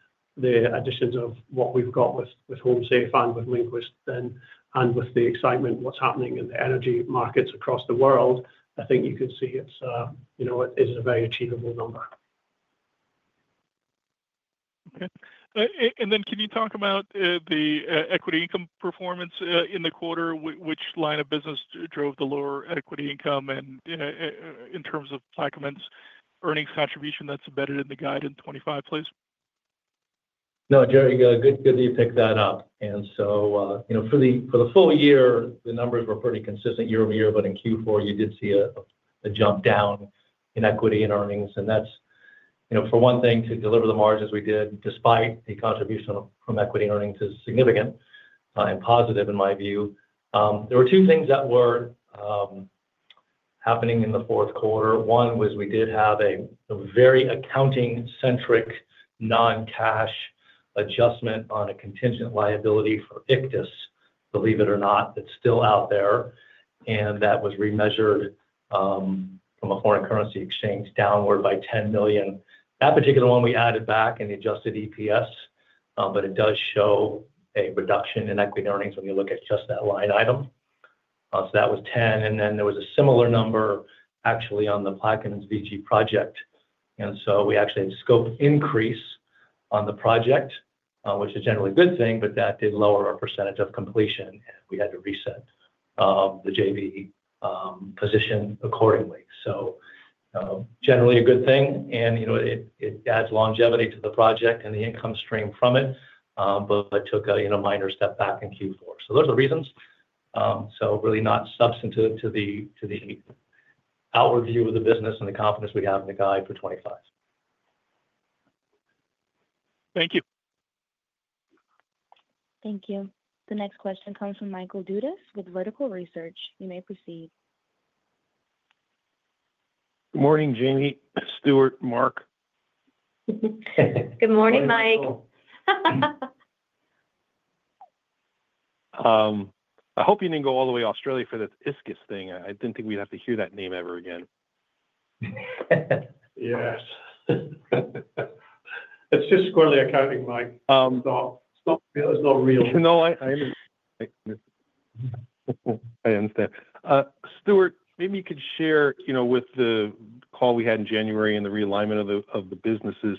additions of what we've got with Home Safe and with LinQuest and with the excitement, what's happening in the energy markets across the world, I think you can see it's a very achievable number. Okay. Then can you talk about the equity income performance in the quarter? Which line of business drove the lower equity income in terms of earnings contribution that's embedded in the guide in 2025, please? No, Jerry, good that you picked that up. For the full year, the numbers were pretty consistent year over year, but in Q4, you did see a jump down in equity and earnings. That's, for one thing, to deliver the margins we did, despite the contribution from equity and earnings is significant and positive, in my view. There were two things that were happening in the fourth quarter. One was we did have a very accounting-centric non-cash adjustment on a contingent liability for Ichthys, believe it or not, that's still out there. That was remeasured from a foreign currency exchange downward by $10 million. That particular one we added back and adjusted EPS, but it does show a reduction in equity and earnings when you look at just that line item. That was $10 million. Then there was a similar number actually on the Plaquemines VG project. We actually had scope increase on the project, which is generally a good thing, but that did lower our percentage of completion, and we had to reset the JV position accordingly. So generally a good thing, and it adds longevity to the project and the income stream from it, but took a minor step back in Q4. So those are the reasons. So really not substantive to the outward view of the business and the confidence we have in the guide for 2025. Thank you. Thank you. The next question comes from Michael Dudas with Vertical Research. You may proceed. Good morning, Jamie, Stuart, Mark. Good morning, Mike. I hope you didn't go all the way to Australia for that AUKUS thing. I didn't think we'd have to hear that name ever again. Yes. It's just squarely accounting, Mike. It's not real. No, I understand. Stuart, maybe you could share with the call we had in January and the realignment of the businesses,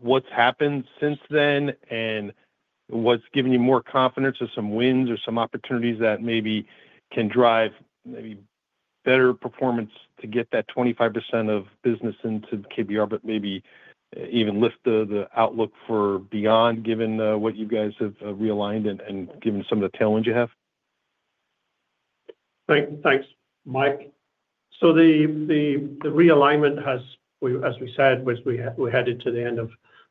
what's happened since then and what's given you more confidence or some wins or some opportunities that maybe can drive maybe better performance to get that 25% of business into KBR, but maybe even lift the outlook for beyond given what you guys have realigned and given some of the talent you have? Thanks, Mike. So the realignment has, as we said, we headed to the end of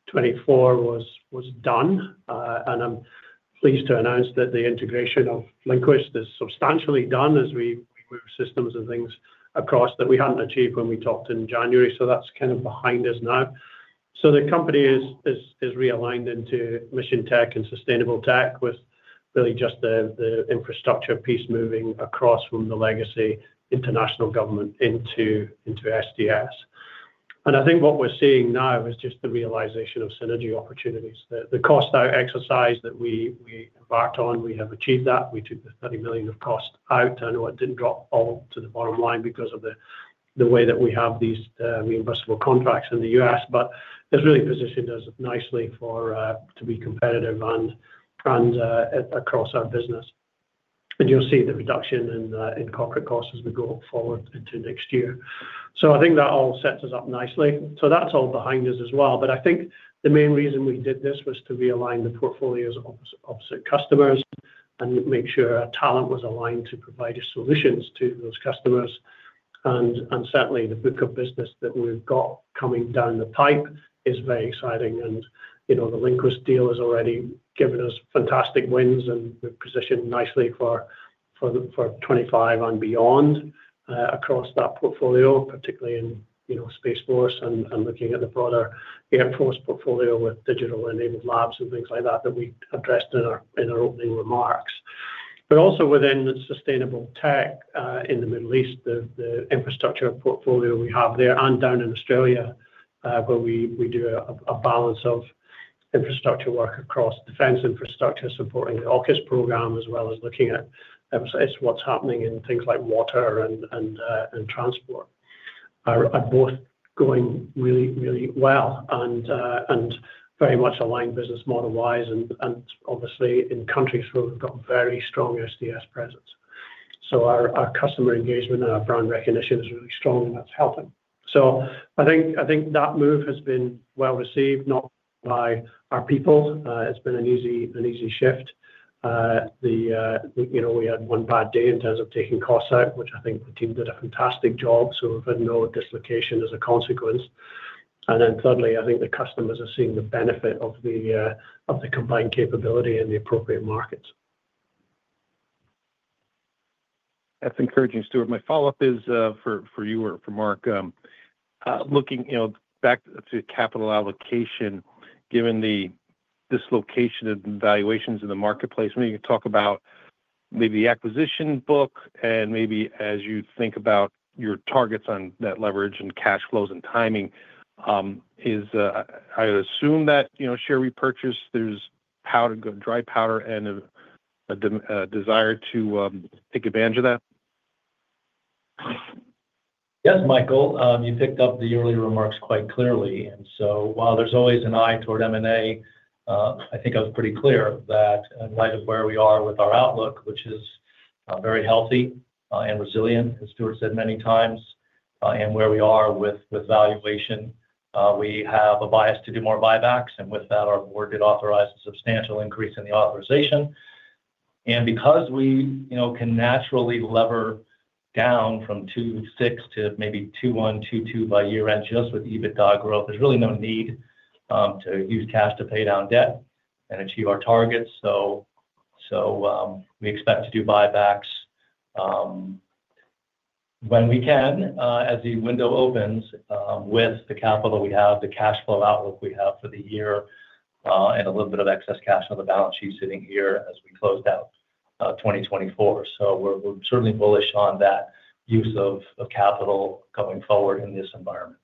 2024 was done. And I'm pleased to announce that the integration of LinQuest is substantially done as we move systems and things across that we hadn't achieved when we talked in January. So that's kind of behind us now. So the company is realigned into mission tech and sustainable tech with really just the infrastructure piece moving across from the legacy international government into SDS. And I think what we're seeing now is just the realization of synergy opportunities. The cost exercise that we embarked on, we have achieved that. We took the $30 million of cost out. I know it didn't drop all to the bottom line because of the way that we have these reimbursable contracts in the U.S., but it's really positioned us nicely to be competitive across our business. And you'll see the reduction in corporate costs as we go forward into next year. So I think that all sets us up nicely. So that's all behind us as well. But I think the main reason we did this was to realign the portfolios of customers and make sure our talent was aligned to provide solutions to those customers. And certainly, the book of business that we've got coming down the pipe is very exciting. And the LinQuest deal has already given us fantastic wins, and we're positioned nicely for 2025 and beyond across that portfolio, particularly in Space Force and looking at the broader Air Force portfolio with digital-enabled labs and things like that that we addressed in our opening remarks. But also within sustainable tech in the Middle East, the infrastructure portfolio we have there and down in Australia where we do a balance of infrastructure work across defense infrastructure supporting the AUKUS program as well as looking at what's happening in things like water and transport are both going really, really well and very much aligned business model-wise and obviously in countries where we've got very strong SDS presence. Our customer engagement and our brand recognition is really strong, and that's helping. I think that move has been well received, not by our people. It's been an easy shift. We had one bad day in terms of taking costs out, which I think the team did a fantastic job. We've had no dislocation as a consequence. Then thirdly, I think the customers are seeing the benefit of the combined capability in the appropriate markets. That's encouraging, Stuart. My follow-up is for you or for Mark. Looking back to capital allocation, given the dislocation of valuations in the marketplace, maybe you can talk about maybe the acquisition book and maybe as you think about your targets on net leverage and cash flows and timing, is I assume that share repurchase, there's dry powder and a desire to take advantage of that? Yes, Michael. You picked up the earlier remarks quite clearly. And so while there's always an eye toward M&A, I think I was pretty clear that in light of where we are with our outlook, which is very healthy and resilient, as Stuart said many times, and where we are with valuation, we have a bias to do more buybacks. And with that, our board did authorize a substantial increase in the authorization. And because we can naturally lever down from 2.6 to maybe 2.1, 2.2 by year end just with EBITDA growth, there's really no need to use cash to pay down debt and achieve our targets. So we expect to do buybacks when we can as the window opens with the capital we have, the cash flow outlook we have for the year, and a little bit of excess cash on the balance sheet sitting here as we close out 2024. So we're certainly bullish on that use of capital going forward in this environment.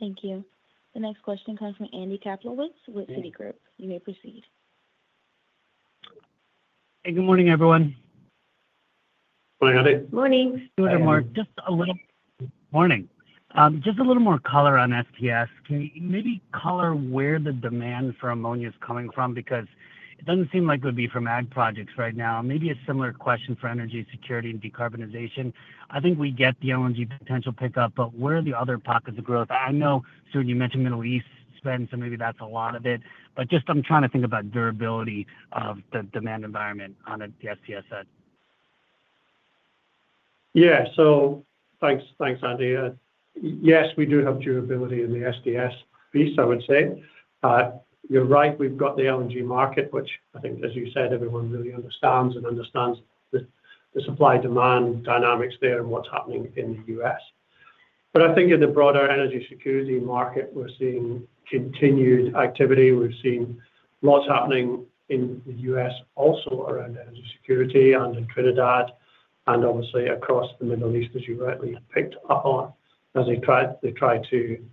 Thank you. The next question comes from Andy Kaplowitz with Citigroup. You may proceed. Hey, good morning, everyone. Morning, Andy. Morning. Stuart and Mark. Just a little more color on SDS. Can you maybe color where the demand for ammonia is coming from? Because it doesn't seem like it would be from ag projects right now. Maybe a similar question for energy security and decarbonization. I think we get the LNG potential pickup, but where are the other pockets of growth? I know, Stuart, you mentioned Middle East spend, so maybe that's a lot of it. But just I'm trying to think about durability of the demand environment on the SDS side. Yeah. So thanks, Andy. Yes, we do have durability in the SDS piece, I would say. You're right. We've got the LNG market, which I think, as you said, everyone really understands and understands the supply-demand dynamics there and what's happening in the U.S. But I think in the broader energy security market, we're seeing continued activity. We've seen lots happening in the U.S. also around energy security and in Trinidad and obviously across the Middle East, as you rightly picked up on, as they try to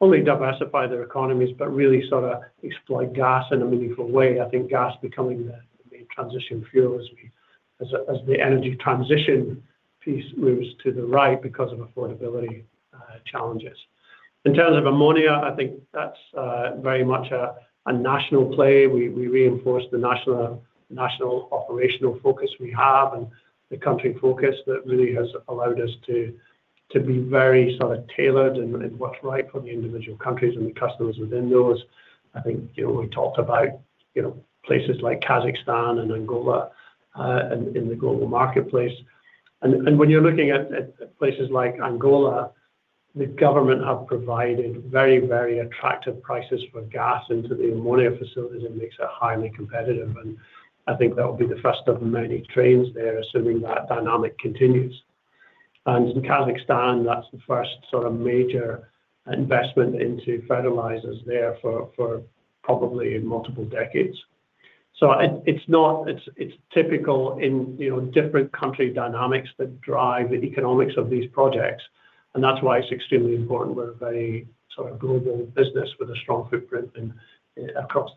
only diversify their economies, but really sort of exploit gas in a meaningful way. I think gas becoming the main transition fuel as the energy transition piece moves to the right because of affordability challenges. In terms of ammonia, I think that's very much a national play. We reinforce the national operational focus we have and the country focus that really has allowed us to be very sort of tailored and what's right for the individual countries and the customers within those. I think we talked about places like Kazakhstan and Angola in the global marketplace. And when you're looking at places like Angola, the government have provided very, very attractive prices for gas into the ammonia facilities. It makes it highly competitive. And I think that will be the first of many trains there, assuming that dynamic continues. And in Kazakhstan, that's the first sort of major investment into fertilizers there for probably multiple decades. So it's typical in different country dynamics that drive the economics of these projects. And that's why it's extremely important. We're a very sort of global business with a strong footprint across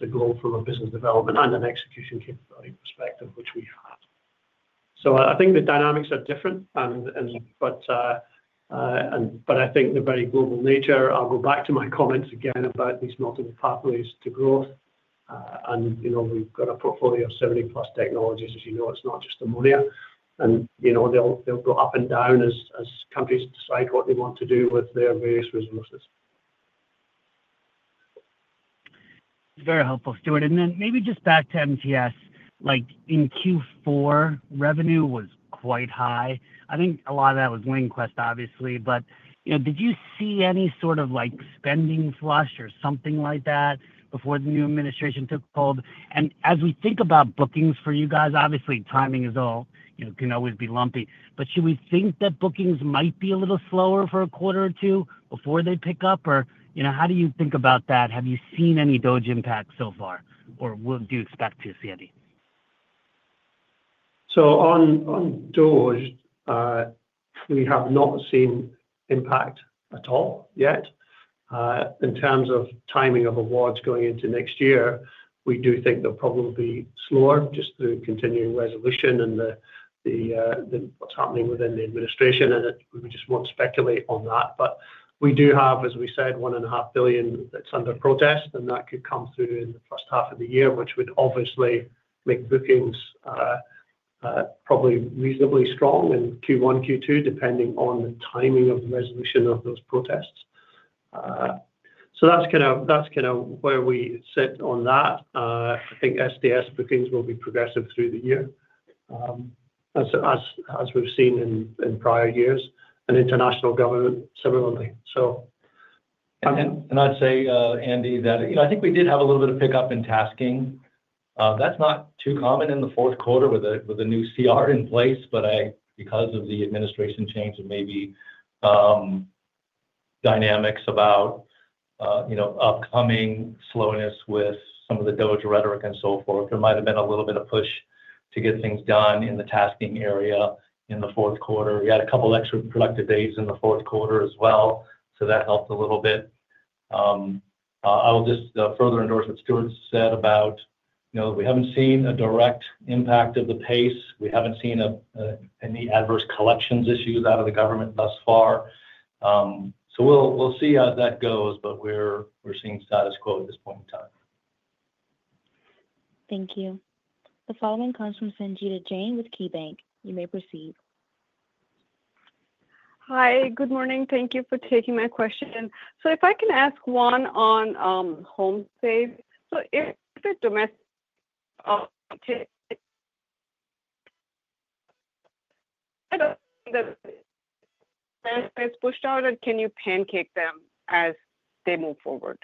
the globe from a business development and an execution capability perspective, which we have. So I think the dynamics are different. But I think the very global nature, I'll go back to my comments again about these multiple pathways to growth. And we've got a portfolio of 70-plus technologies. As you know, it's not just ammonia. And they'll go up and down as countries decide what they want to do with their various resources. Very helpful, Stuart. And then maybe just back to MTS. In Q4, revenue was quite high. I think a lot of that was LinQuest, obviously. But did you see any sort of spending flush or something like that before the new administration took hold? And as we think about bookings for you guys, obviously, timing is all can always be lumpy. But should we think that bookings might be a little slower for a quarter or two before they pick up? Or how do you think about that? Have you seen any DOGE impact so far? Or do you expect to see any? So on DOGE, we have not seen impact at all yet. In terms of timing of awards going into next year, we do think they'll probably be slower just through continuing resolution and what's happening within the administration. And we just won't speculate on that. We do have, as we said, $1.5 billion that's under protest. That could come through in the first half of the year, which would obviously make bookings probably reasonably strong in Q1, Q2, depending on the timing of the resolution of those protests. That's kind of where we sit on that. I think SDS bookings will be progressive through the year, as we've seen in prior years, and international government similarly. I'd say, Andy, that I think we did have a little bit of pickup in tasking. That's not too common in the fourth quarter with a new CR in place. Because of the administration change and maybe dynamics about upcoming slowness with some of the DOGE rhetoric and so forth, there might have been a little bit of push to get things done in the tasking area in the fourth quarter. We had a couple of extra productive days in the fourth quarter as well. So that helped a little bit. I'll just further endorse what Stuart said about we haven't seen a direct impact of the pace. We haven't seen any adverse collections issues out of the government thus far. So we'll see how that goes. But we're seeing status quo at this point in time. Thank you. The following comes from Sanjita Jain with KeyBanc. You may proceed. Hi. Good morning. Thank you for taking my question. So if I can ask one on HomeSafe. So if the domestic benefits pushed out, can you pancake them as they move forward?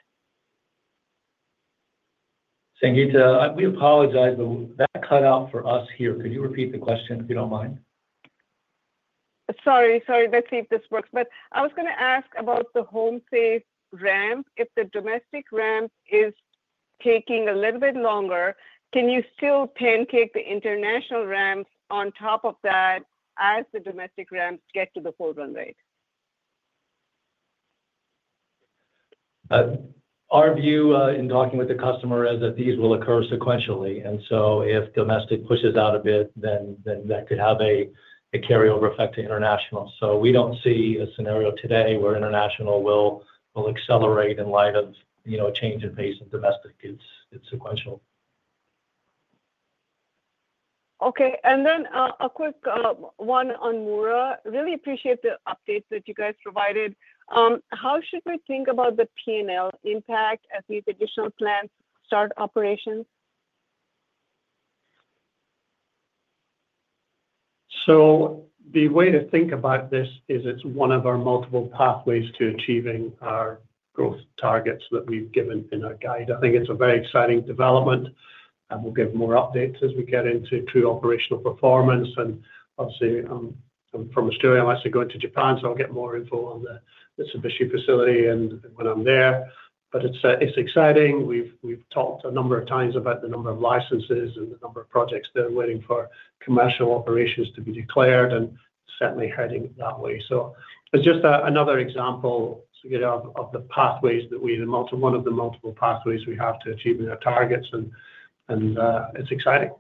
Sanjita, we apologize, but that cut out for us here. Could you repeat the question if you don't mind? Sorry, sorry. Let's see if this works. But I was going to ask about the HomeSafe ramp. If the domestic ramp is taking a little bit longer, can you still pancake the international ramp on top of that as the domestic ramps get to the full run rate? Our view in talking with the customer is that these will occur sequentially, and so if domestic pushes out a bit, then that could have a carryover effect to international. So we don't see a scenario today where international will accelerate in light of a change in pace of domestic. It's sequential. Okay, and then a quick one on Mura. Really appreciate the updates that you guys provided. How should we think about the P&L impact as these additional plants start operations? So the way to think about this is it's one of our multiple pathways to achieving our growth targets that we've given in our guide. I think it's a very exciting development. We'll give more updates as we get into true operational performance. And obviously, from Australia, I'm actually going to Japan. So I'll get more info on the Mitsubishi facility when I'm there. But it's exciting. We've talked a number of times about the number of licenses and the number of projects that are waiting for commercial operations to be declared and certainly heading that way. So it's just another example of the pathways that we have and one of the multiple pathways we have to achieve our targets. And it's exciting.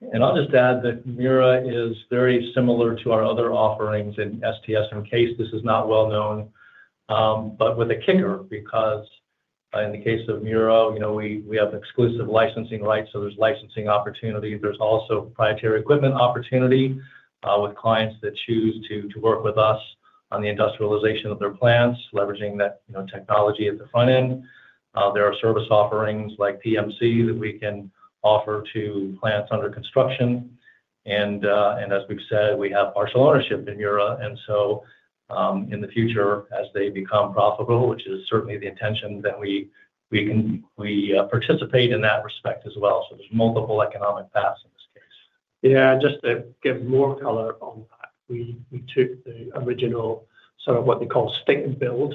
And I'll just add that Mura is very similar to our other offerings in SDS, in case this is not well known, but with a kicker because in the case of Mura, we have exclusive licensing rights. So there's licensing opportunity. There's also proprietary equipment opportunity with clients that choose to work with us on the industrialization of their plants, leveraging that technology at the front end. There are service offerings like PMC that we can offer to plants under construction. And as we've said, we have partial ownership in Mura. And so in the future, as they become profitable, which is certainly the intention, then we participate in that respect as well. So there's multiple economic paths in this case. Yeah. Just to give more color on that, we took the original sort of what they call state-build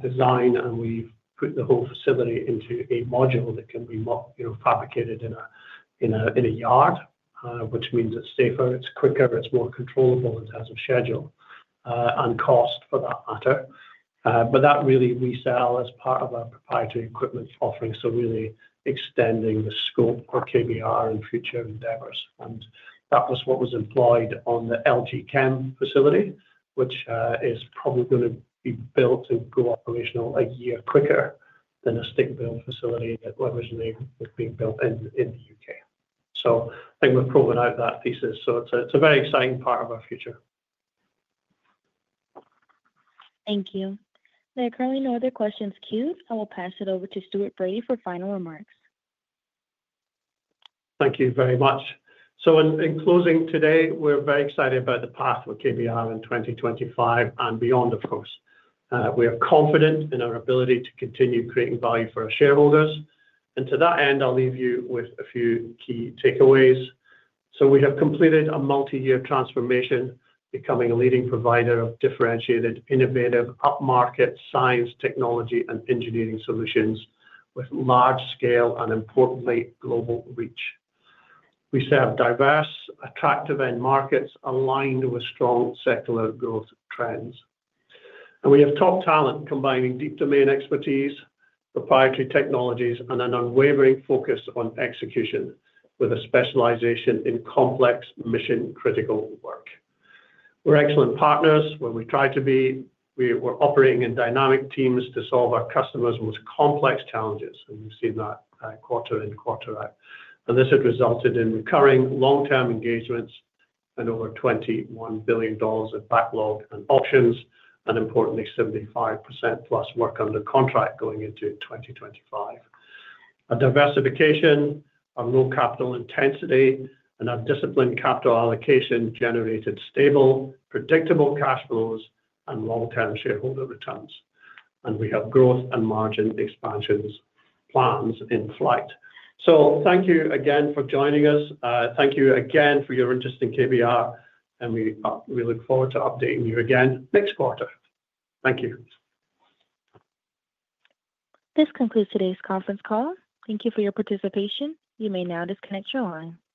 design, and we've put the whole facility into a module that can be fabricated in a yard, which means it's safer, it's quicker, it's more controllable in terms of schedule and cost for that matter. But that really we sell as part of our proprietary equipment offering. So really extending the scope for KBR and future endeavors. And that was what was employed on the LG Chem facility, which is probably going to be built and go operational a year quicker than a state-built facility that was originally being built in the U.K. So I think we've proven out that thesis. So it's a very exciting part of our future. Thank you. There are currently no other questions queued. I will pass it over to Stuart Bradie for final remarks. Thank you very much. So in closing today, we're very excited about the path with KBR in 2025 and beyond, of course. We are confident in our ability to continue creating value for our shareholders. And to that end, I'll leave you with a few key takeaways. We have completed a multi-year transformation, becoming a leading provider of differentiated, innovative, up-market science, technology, and engineering solutions with large scale and importantly, global reach. We serve diverse, attractive end markets aligned with strong secular growth trends. We have top talent combining deep domain expertise, proprietary technologies, and an unwavering focus on execution with a specialization in complex mission-critical work. We're excellent partners where we try to be. We're operating in dynamic teams to solve our customers' most complex challenges. We've seen that quarter and quarter out. This has resulted in recurring long-term engagements and over $21 billion of backlog and options, and importantly, 75% plus work under contract going into 2025. Our diversification, our low capital intensity, and our disciplined capital allocation generated stable, predictable cash flows and long-term shareholder returns. We have growth and margin expansions plans in flight. Thank you again for joining us. Thank you again for your interest in KBR. We look forward to updating you again next quarter. Thank you. This concludes today's conference call. Thank you for your participation. You may now disconnect your line.